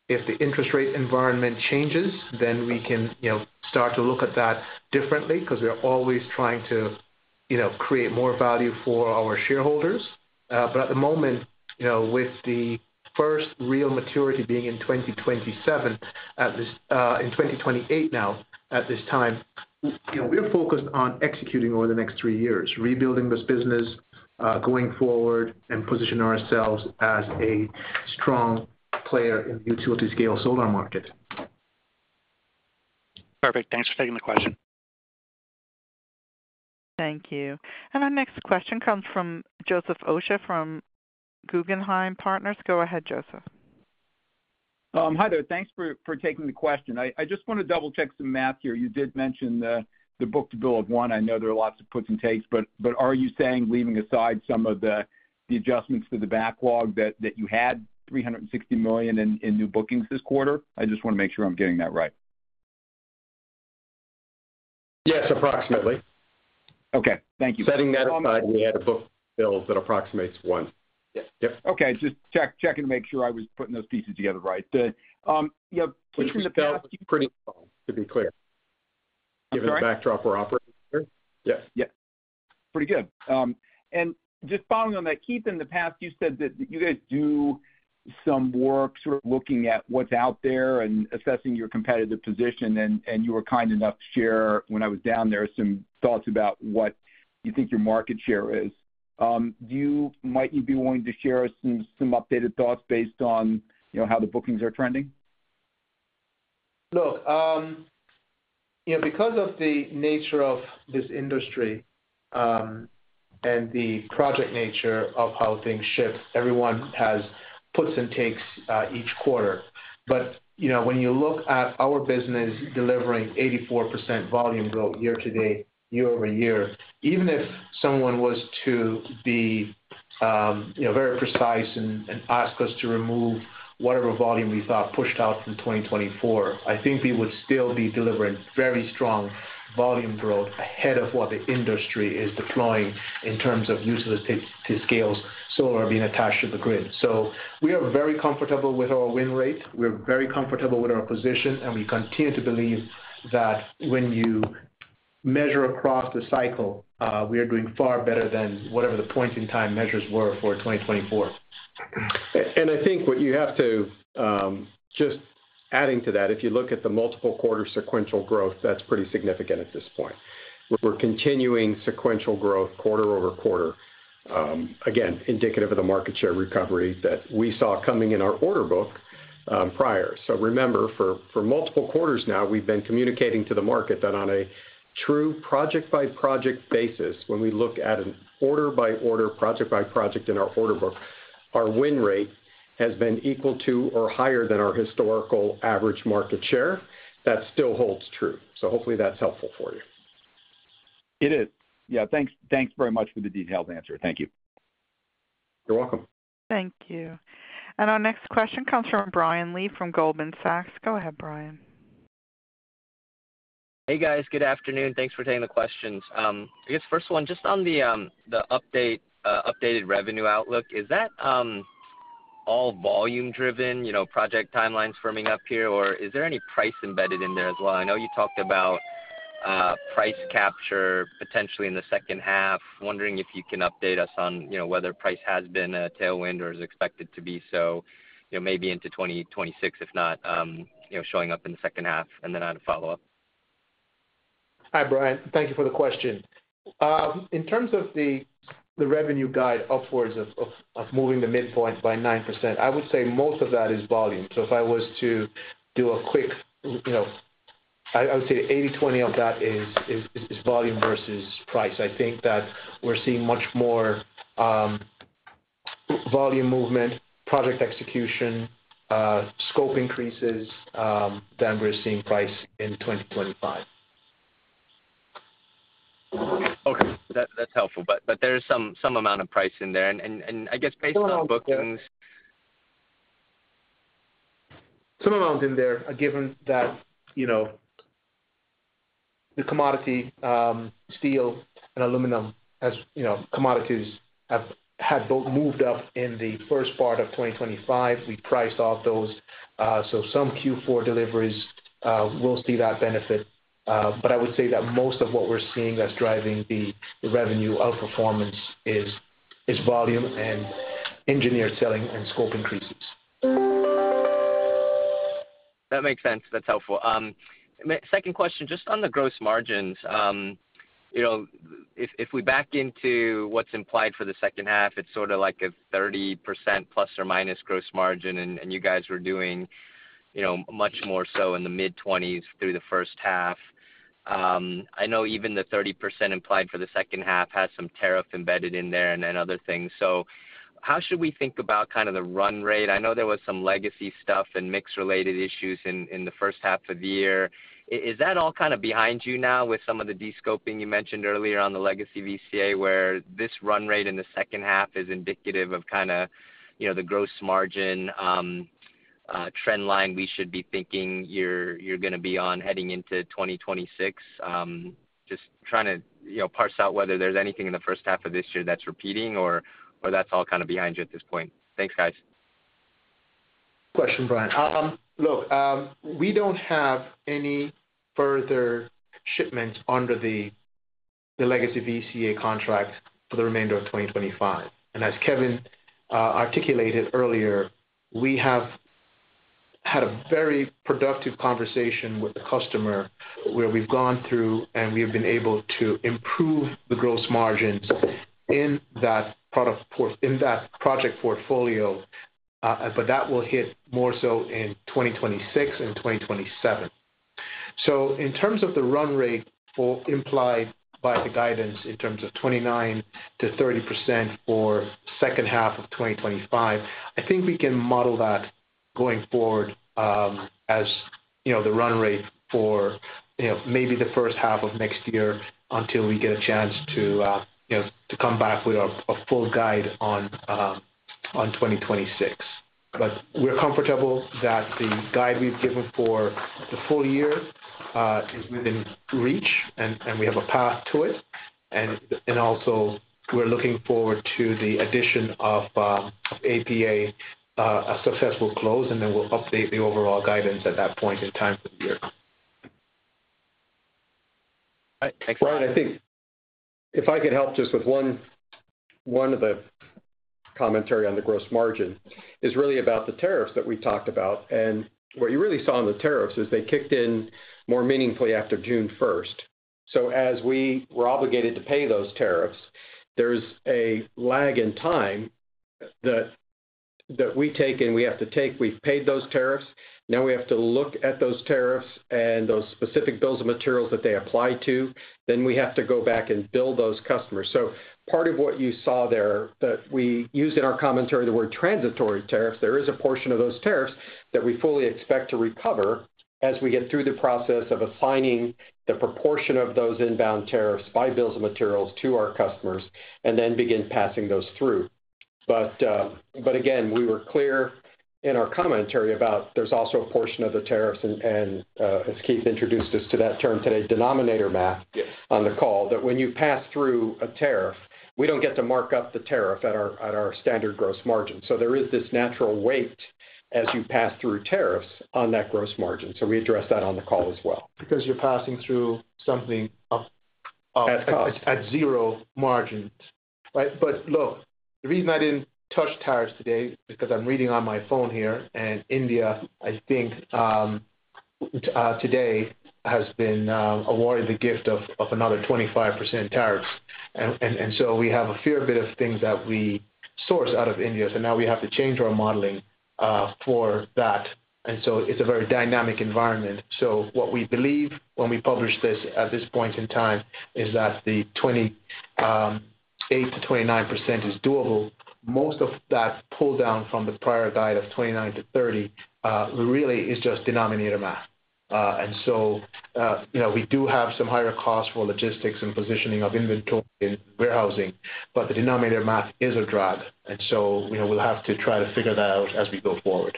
If the interest rate environment changes, then we can start to look at that differently because we're always trying to create more value for our shareholders. At the moment, with the first real maturity being in 2027, in 2028 now, at this time, we're focused on executing over the next three years, rebuilding this business going forward, and positioning ourselves as a strong player in the utility-scale solar market. Perfect. Thanks for taking the question. Thank you. Our next question comes from Joseph Osha from Guggenheim Partners. Go ahead, Joseph. Hi there. Thanks for taking the question. I just want to double-check some math here. You did mention the booked bill of one. I know there are lots of puts and takes, but are you saying, leaving aside some of the adjustments to the backlog, that you had $360 million in new bookings this quarter? I just want to make sure I'm getting that right. Yes, approximately. Okay, thank you. Setting that aside, we had a booked bill that approximates $1 million. Yes, okay. Just checking to make sure I was putting those pieces together right. The booked bill is pretty low, to be clear, given the backdrop we're operating under. Yes, pretty good. Just following on that, Keith, in the past, you said that you guys do some work sort of looking at what's out there and assessing your competitive position, and you were kind enough to share, when I was down there, some thoughts about what you think your market share is. Do you might you be willing to share some updated thoughts based on how the bookings are trending? Look, because of the nature of this industry and the project nature of how things shift, everyone has puts and takes each quarter. When you look at our business delivering 84% volume growth year to date, year-over-year, even if someone was to be very precise and ask us to remove whatever volume we thought pushed out from 2024, I think we would still be delivering very strong volume growth ahead of what the industry is deploying in terms of utility-scale solar being attached to the grid. We are very comfortable with our win rate. We're very comfortable with our position, and we continue to believe that when you measure across the cycle, we are doing far better than whatever the point-in-time measures were for 2024. I think what you have to just add to that, if you look at the multiple quarter sequential growth, that's pretty significant at this point. We're continuing sequential growth quarter over quarter, again, indicative of the market share recovery that we saw coming in our order book prior. Remember, for multiple quarters now, we've been communicating to the market that on a true project-by-project basis, when we look at an order-by-order, project-by-project in our order book, our win rate has been equal to or higher than our historical average market share. That still holds true. Hopefully, that's helpful for you. It is. Yeah, thanks very much for the detailed answer. Thank you. You're welcome. Thank you. Our next question comes from Brian Lee from Goldman Sachs. Go ahead, Brian. Hey, guys. Good afternoon. Thanks for taking the questions. I guess first one, just on the updated revenue outlook, is that all volume-driven, you know, project timelines firming up here, or is there any price embedded in there as well? I know you talked about price capture potentially in the second half. Wondering if you can update us on, you know, whether price has been a tailwind or is expected to be so, you know, maybe into 2026, if not, you know, showing up in the second half, and then add a follow-up. Hi, Brian. Thank you for the question. In terms of the revenue guide upwards of moving the midpoint by 9%, I would say most of that is volume. I would say the 80/20 of that is volume versus price. I think that we're seeing much more volume movement, project execution, scope increases than we're seeing price in 2025. Okay, that's helpful. There's some amount of price in there, and I guess based on our bookings. Some amount in there, given that, you know, the commodity steel and aluminum as commodities have had both moved up in the first part of 2025. We priced off those. Some Q4 deliveries will see that benefit. I would say that most of what we're seeing that's driving the revenue outperformance is volume and engineered selling and scope increases. That makes sense. That's helpful. Second question, just on the gross margins. If we back into what's implied for the second half, it's sort of like a 30%± gross margin, and you guys were doing much more so in the mid-20%s through the first half. I know even the 30% implied for the second half has some tariff embedded in there and then other things. How should we think about kind of the run rate? I know there was some legacy stuff and mix-related issues in the first half of the year. Is that all kind of behind you now with some of the de-scoping you mentioned earlier on the legacy volume commitment agreements where this run rate in the second half is indicative of the gross margin trend line we should be thinking you're going to be on heading into 2026? Just trying to parse out whether there's anything in the first half of this year that's repeating or that's all kind of behind you at this point. Thanks, guys. Question, Brian. Look, we don't have any further shipments under the legacy volume commitment agreements for the remainder of 2025. As Kevin articulated earlier, we have had a very productive conversation with the customer where we've gone through and we've been able to improve the gross profit margins in that project portfolio, but that will hit more so in 2026 and 2027. In terms of the run rate implied by the guidance in terms of 29%-30% for the second half of 2025, I think we can model that going forward as the run rate for maybe the first half of next year until we get a chance to come back with a full guide on 2026. We're comfortable that the guide we've given for the full year is within reach and we have a path to it. We're also looking forward to the addition of APA at a successful close, and then we'll update the overall guidance at that point in time for the year. Thanks, Brian. I think if I could help just with one commentary on the gross margin, it is really about the tariffs that we talked about. What you really saw in the tariffs is they kicked in more meaningfully after June 1st. As we were obligated to pay those tariffs, there's a lag in time that we take and we have to take. We've paid those tariffs. Now we have to look at those tariffs and those specific bills of materials that they apply to. We have to go back and bill those customers. Part of what you saw there that we use in our commentary, the word transitory tariffs, there is a portion of those tariffs that we fully expect to recover as we get through the process of assigning the proportion of those inbound tariffs by bills of materials to our customers and then begin passing those through. We were clear in our commentary about there's also a portion of the tariffs, and as Keith introduced us to that term today, denominator math on the call, that when you pass through a tariff, we don't get to mark up the tariff at our standard gross margin. There is this natural weight as you pass through tariffs on that gross margin. We address that on the call as well. Because you're passing through something at zero margin. The reason I didn't touch tariffs today is because I'm reading on my phone here, and India, I think, today has been awarded the gift of another 25% tariffs. We have a fair bit of things that we source out of India. Now we have to change our modeling for that. It is a very dynamic environment. What we believe when we publish this at this point in time is that the 28%-29% is doable. Most of that pull-down from the prior guide of 29%-30% really is just denominator math. We do have some higher costs for logistics and positioning of inventory and warehousing, but the denominator math is a drag. We will have to try to figure that out as we go forward.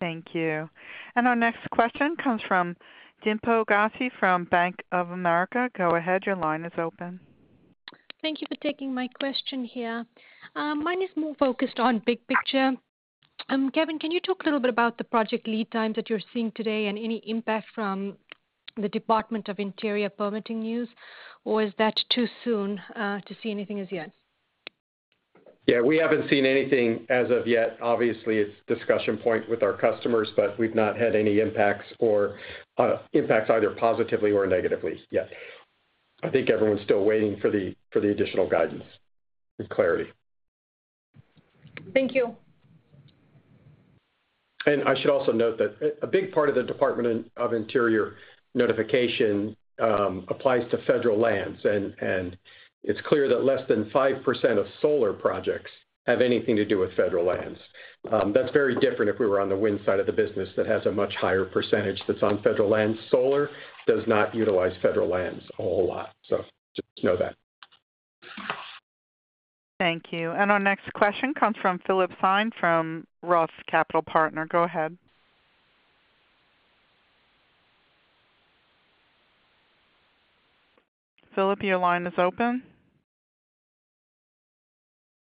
Thank you. Our next question comes from Dimple Gosai from Bank of America. Go ahead, your line is open. Thank you for taking my question here. Mine is more focused on big picture. Kevin, can you talk a little bit about the project lead times that you're seeing today and any impact from the Department of Interior Permitting news, or is that too soon to see anything as yet? Yeah, we haven't seen anything as of yet. Obviously, it's a discussion point with our customers, but we've not had any impacts either positively or negatively yet. I think everyone's still waiting for the additional guidance and clarity. Thank you. I should also note that a big part of the Department of Interior notification applies to federal lands, and it's clear that less than 5% of solar projects have anything to do with federal lands. That's very different if we were on the wind side of the business that has a much higher percentage that's on federal lands. Solar does not utilize federal lands a whole lot, so just know that. Thank you. Our next question comes from Philip Shen from Roth Capital Partners. Go ahead. Philip, your line is open.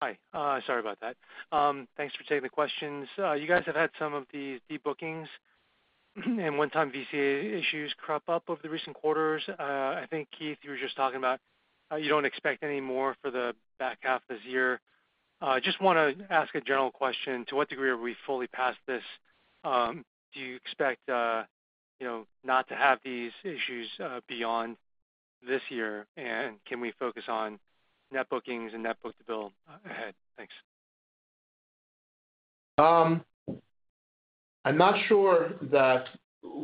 Hi. Sorry about that. Thanks for taking the questions. You guys have had some of these de-bookings and one-time VCA issues crop up over the recent quarters. I think, Keith, you were just talking about you don't expect any more for the back half of this year. I just want to ask a general question. To what degree have we fully passed this? Do you expect, you know, not to have these issues beyond this year, and can we focus on net bookings and net book-to-bill ahead? Thanks. I'm not sure that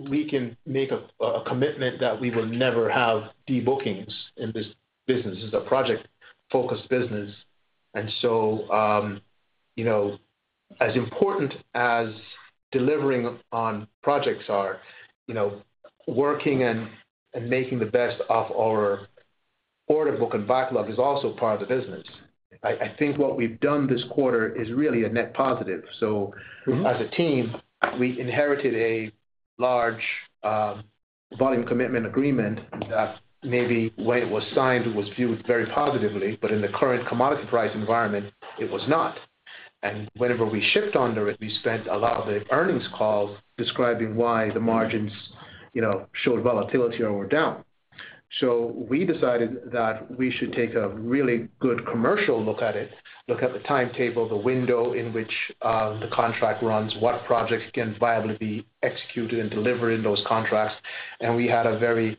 we can make a commitment that we will never have de-bookings in this business. This is a project-focused business. As important as delivering on projects is, working and making the best of our order book and backlog is also part of the business. I think what we've done this quarter is really a net positive. As a team, we inherited a large volume commitment agreement that maybe when it was signed, it was viewed very positively, but in the current commodity price environment, it was not. Whenever we shipped under it, we spent a lot of the earnings calls describing why the margins showed volatility or were down. We decided that we should take a really good commercial look at it, look at the timetable, the window in which the contract runs, what projects can viably be executed and delivered in those contracts. We had a very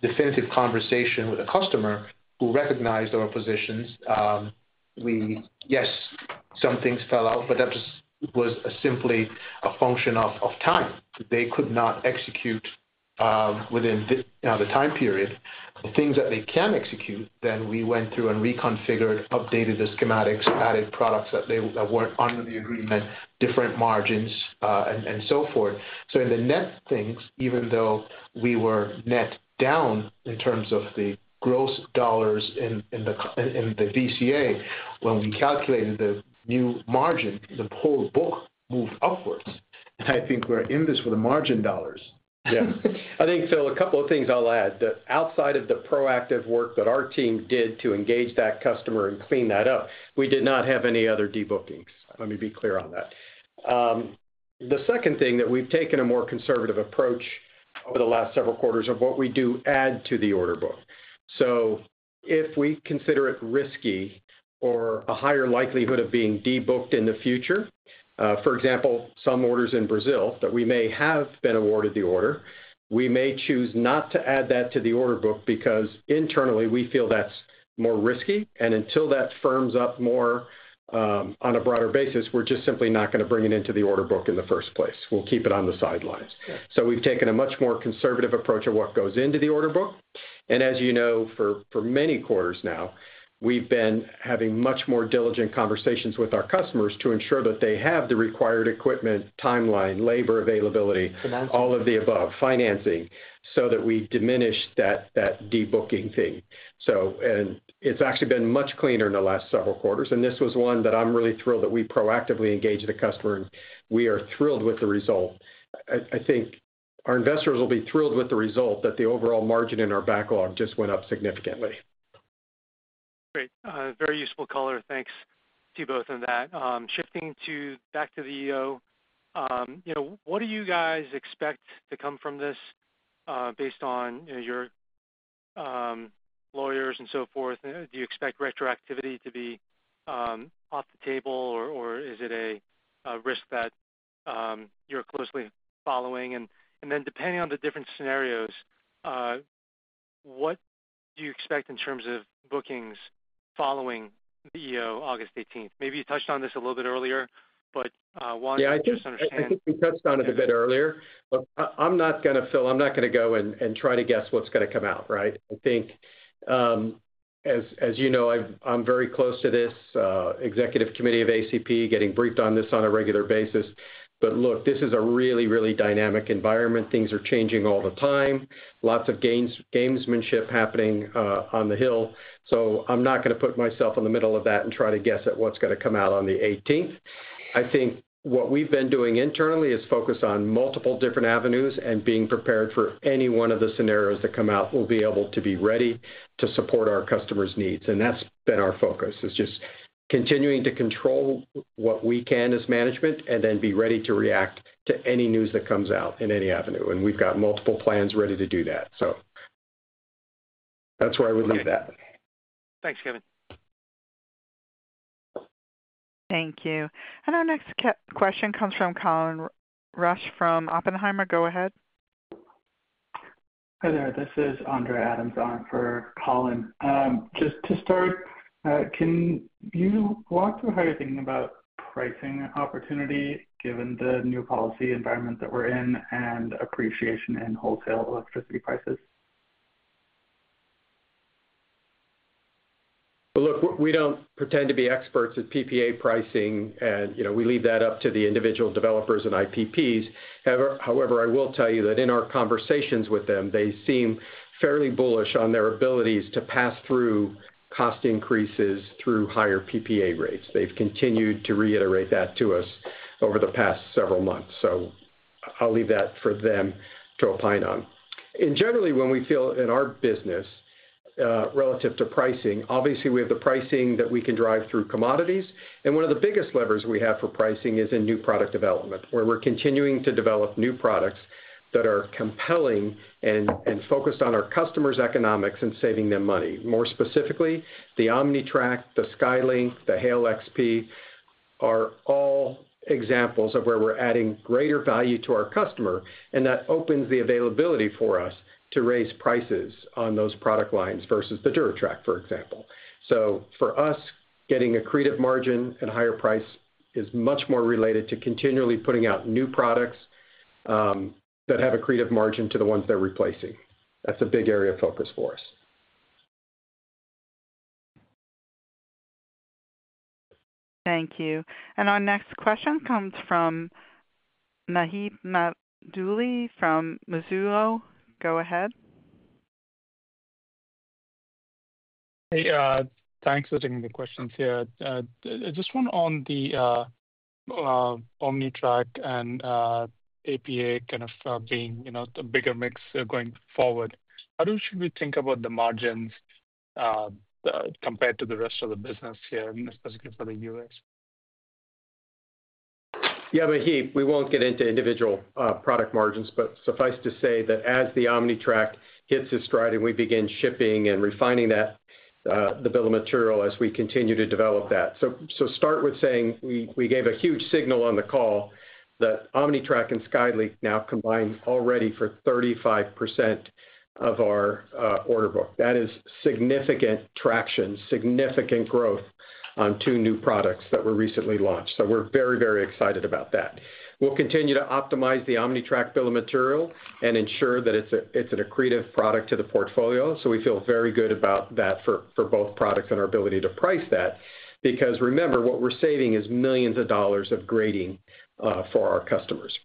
definitive conversation with a customer who recognized our positions. Yes, some things fell out, but that was simply a function of time. They could not execute within the time period. The things that they can execute, we went through and reconfigured, updated the schematics, added products that weren't under the agreement, different margins, and so forth. In the net things, even though we were net down in terms of the gross dollars in the VCA, when we calculated the new margin, the whole book moved upwards. I think we're in this for the margin dollars. A couple of things I'll add: outside of the proactive work that our team did to engage that customer and clean that up, we did not have any other de-bookings. Let me be clear on that. The second thing is that we've taken a more conservative approach for the last several quarters of what we do add to the order book. If we consider it risky or a higher likelihood of being de-booked in the future, for example, some orders in Brazil that we may have been awarded the order, we may choose not to add that to the order book because internally we feel that's more risky. Until that firms up more on a broader basis, we're just simply not going to bring it into the order book in the first place. We'll keep it on the sidelines. We've taken a much more conservative approach of what goes into the order book. As you know, for many quarters now, we've been having much more diligent conversations with our customers to ensure that they have the required equipment, timeline, labor availability, all of the above, financing, so that we diminish that de-booking thing. It has actually been much cleaner in the last several quarters. This was one that I'm really thrilled that we proactively engaged the customer, and we are thrilled with the result. I think our investors will be thrilled with the result that the overall margin in our backlog just went up significantly. Great. Very useful color. Thanks to you both on that. Shifting back to the EO, you know, what do you guys expect to come from this based on your lawyers and so forth? Do you expect retroactivity to be off the table, or is it a risk that you're closely following? Depending on the different scenarios, what do you expect in terms of bookings following the EO August 18th? Maybe you touched on this a little bit earlier, but why? I just understand. We touched on it a bit earlier, but I'm not going to fill, I'm not going to go and try to guess what's going to come out, right? I think, as you know, I'm very close to this executive committee of ACP getting briefed on this on a regular basis. Look, this is a really, really dynamic environment. Things are changing all the time. Lots of gamesmanship happening on the Hill. I'm not going to put myself in the middle of that and try to guess at what's going to come out on the 18th. I think what we've been doing internally is focus on multiple different avenues and being prepared for any one of the scenarios that come out. We'll be able to be ready to support our customers' needs. That's been our focus. It's just continuing to control what we can as management and then be ready to react to any news that comes out in any avenue. We've got multiple plans ready to do that. That's where I would leave that. Thanks, Kevin. Thank you. Our next question comes from Colin Rush from Oppenheimer. Go ahead. Hi there. This is Andre Adams for Colin. Just to start, can you walk through how you're thinking about pricing opportunity given the new policy environment that we're in and appreciation in wholesale electricity prices? We do not pretend to be experts at PPA pricing, and you know, we leave that up to the individual developers and independent power producers. However, I will tell you that in our conversations with them, they seem fairly bullish on their abilities to pass through cost increases through higher PPA rates. They've continued to reiterate that to us over the past several months. I'll leave that for them to opine on. Generally, when we feel in our business relative to pricing, obviously we have the pricing that we can drive through commodities. One of the biggest levers we have for pricing is in new product development, where we're continuing to develop new products that are compelling and focused on our customers' economics and saving them money. More specifically, the OmniTrak, the SkyLink, the Hail XP are all examples of where we're adding greater value to our customer, and that opens the availability for us to raise prices on those product lines versus the DuraTrak, for example. For us, getting accretive margin at a higher price is much more related to continually putting out new products that have accretive margin to the ones they're replacing. That's a big area of focus for us. Thank you. Our next question comes from Maheep Mandloi from Mizuho. Go ahead. Hey, thanks for taking the questions here. I just want on the OmniTrak and APA kind of being a bigger mix going forward. How do we think about the margins compared to the rest of the business here, and especially for the U.S.? Yeah, we won't get into individual product margins, but suffice to say that as the OmniTrak hits its stride and we begin shipping and refining that, the bill of material as we continue to develop that. We gave a huge signal on the call that OmniTrak and SkyLink now combine already for 35% of our order book. That is significant traction, significant growth on two new products that were recently launched. We're very, very excited about that. We'll continue to optimize the OmniTrak bill of material and ensure that it's an accretive product to the portfolio. We feel very good about that for both products and our ability to price that because remember, what we're saving is millions of dollars of grading for our customers.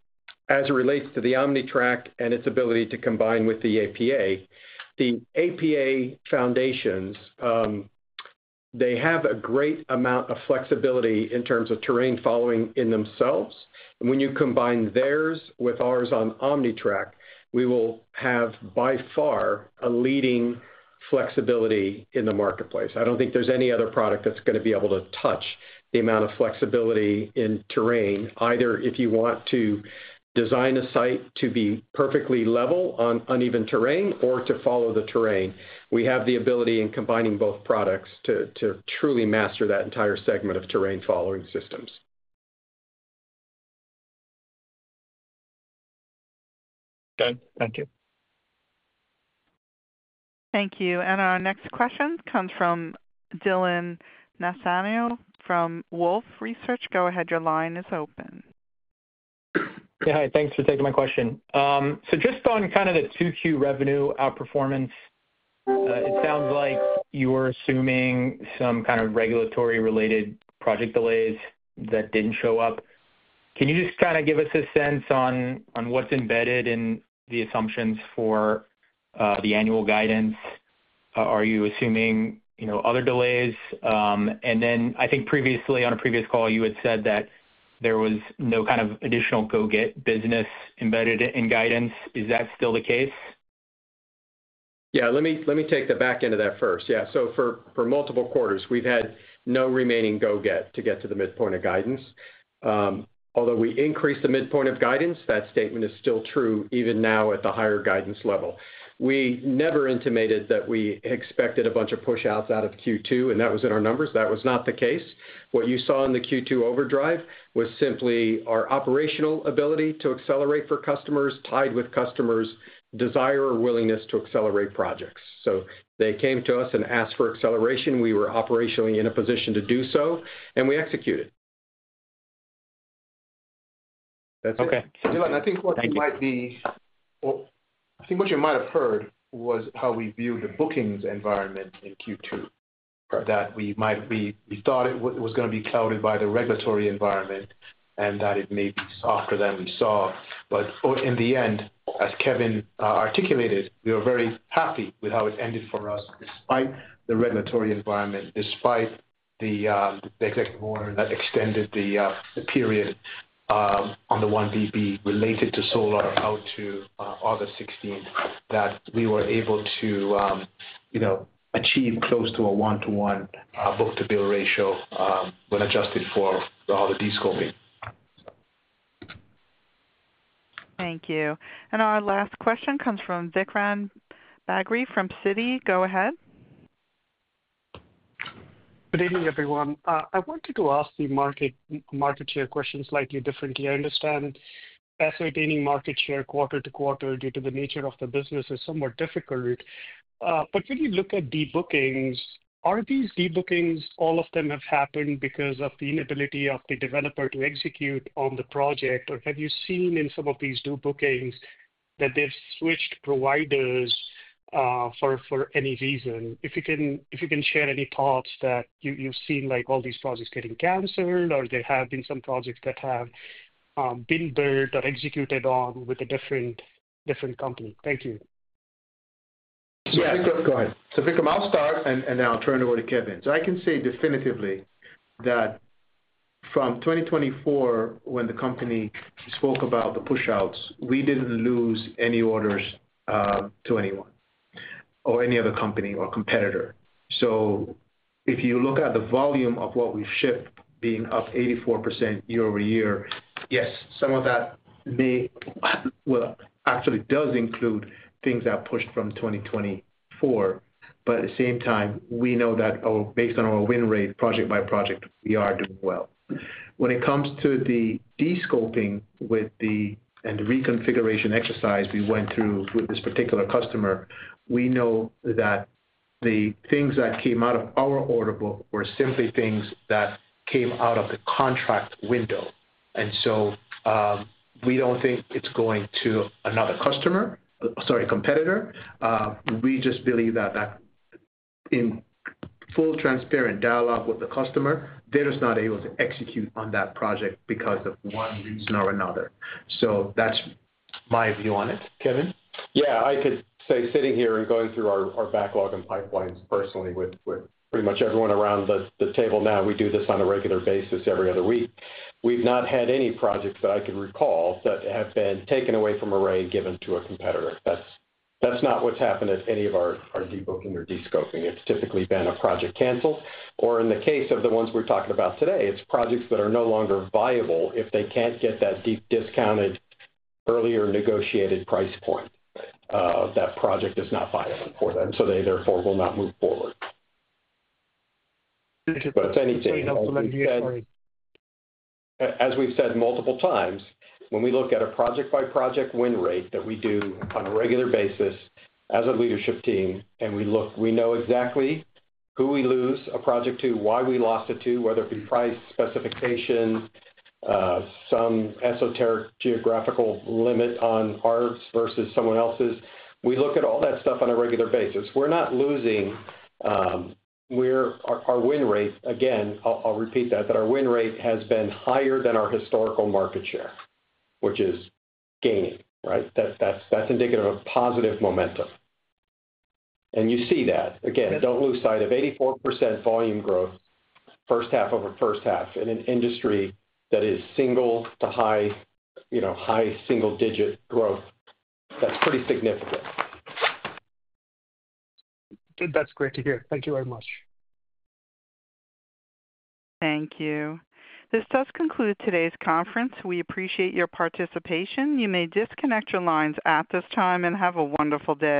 As it relates to the OmniTrak and its ability to combine with the APA, the APA foundations, they have a great amount of flexibility in terms of terrain following in themselves. When you combine theirs with ours on OmniTrak we will have by far a leading flexibility in the marketplace. I don't think there's any other product that's going to be able to touch the amount of flexibility in terrain, either if you want to design a site to be perfectly level on uneven terrain or to follow the terrain. We have the ability in combining both products to truly master that entire segment of terrain following systems. Okay, thank you. Thank you. Our next question comes from Dylan Nassano from Wolfe Research. Go ahead, your line is open. Yeah, hi. Thanks for taking my question. Just on kind of the 2Q revenue outperformance, it sounds like you were assuming some kind of regulatory-related project delays that did not show up. Can you give us a sense on what's embedded in the assumptions for the annual guidance? Are you assuming other delays? I think previously, on a previous call, you had said that there was no kind of additional go-get business embedded in guidance. Is that still the case? Let me take the back end of that first. For multiple quarters, we've had no remaining go-get to get to the midpoint of guidance. Although we increased the midpoint of guidance, that statement is still true even now at the higher guidance level. We never intimated that we expected a bunch of push-outs out of Q2, and that was in our numbers. That was not the case. What you saw in the Q2 overdrive was simply our operational ability to accelerate for customers, tied with customers' desire or willingness to accelerate projects. They came to us and asked for acceleration. We were operationally in a position to do so, and we executed. Okay. Dylan, I think what you might have heard was how we viewed the bookings environment in Q2. We thought it was going to be impacted by the regulatory environment and that it may be softer than we saw. In the end, as Kevin articulated, we were very happy with how it ended for us despite the regulatory environment, despite the executive order that extended the period on the 1BB related to solar out to August 16, that we were able to achieve close to a one-to-one book-to-bill ratio when adjusted for all the de-scoping. Thank you. Our last question comes from Vikram Bagri from Citigroup. Go ahead. Good evening, everyone. I wanted to ask the market share question slightly differently. I understand facilitating market share quarter to quarter due to the nature of the business is somewhat difficult. When you look at de-bookings, are these de-bookings, all of them have happened because of the inability of the developer to execute on the project, or have you seen in some of these de-bookings that they've switched providers for any reason? If you can share any thoughts that you've seen, like all these projects getting canceled, or there have been some projects that have been built or executed on with a different company. Thank you. Yeah, go ahead. Vikram, I'll start, and then I'll turn it over to Kevin. I can say definitively that from 2024, when the company spoke about the push-outs, we didn't lose any orders to anyone or any other company or competitor. If you look at the volume of what we've shipped, being up 84% year-over-year, yes, some of that may, well, actually does include things that are pushed from 2024. At the same time, we know that based on our win rate, project by project, we are doing well. When it comes to the de-scoping and the reconfiguration exercise we went through with this particular customer, we know that the things that came out of our order book were simply things that came out of the contract window. We don't think it's going to another customer, sorry, competitor. We just believe that that in full transparent dialogue. customer that is not able to execute on that project because of one reason or another. That's my view on it, Kevin. Yeah, I could say sitting here and going through our backlog and pipelines personally with pretty much everyone around the table now, we do this on a regular basis every other week. We've not had any projects that I can recall that have been taken away from Array and given to a competitor. That's not what's happened at any of our debooking or descoping. It's typically been a project canceled. In the case of the ones we're talking about today, it's projects that are no longer viable if they can't get that deep discounted earlier negotiated price point. That project is not viable for them. They therefore will not move forward. If anything else, as we've said multiple times, when we look at a project by project win rate that we do on a regular basis as a leadership team, and we look, we know exactly who we lose a project to, why we lost it to, whether it be price, specification, some esoteric geographical limit on ours versus someone else's. We look at all that stuff on a regular basis. We're not losing, our win rate. Again, I'll repeat that, our win rate has been higher than our historical market share, which is gaining, right? That's indicative of positive momentum. You see that again, don't lose sight of 84% volume growth, first half of a first half in an industry that is single to high, you know, high single digit growth. That's pretty significant. That's great to hear. Thank you very much. Thank you. This does conclude today's conference. We appreciate your participation. You may disconnect your lines at this time and have a wonderful day.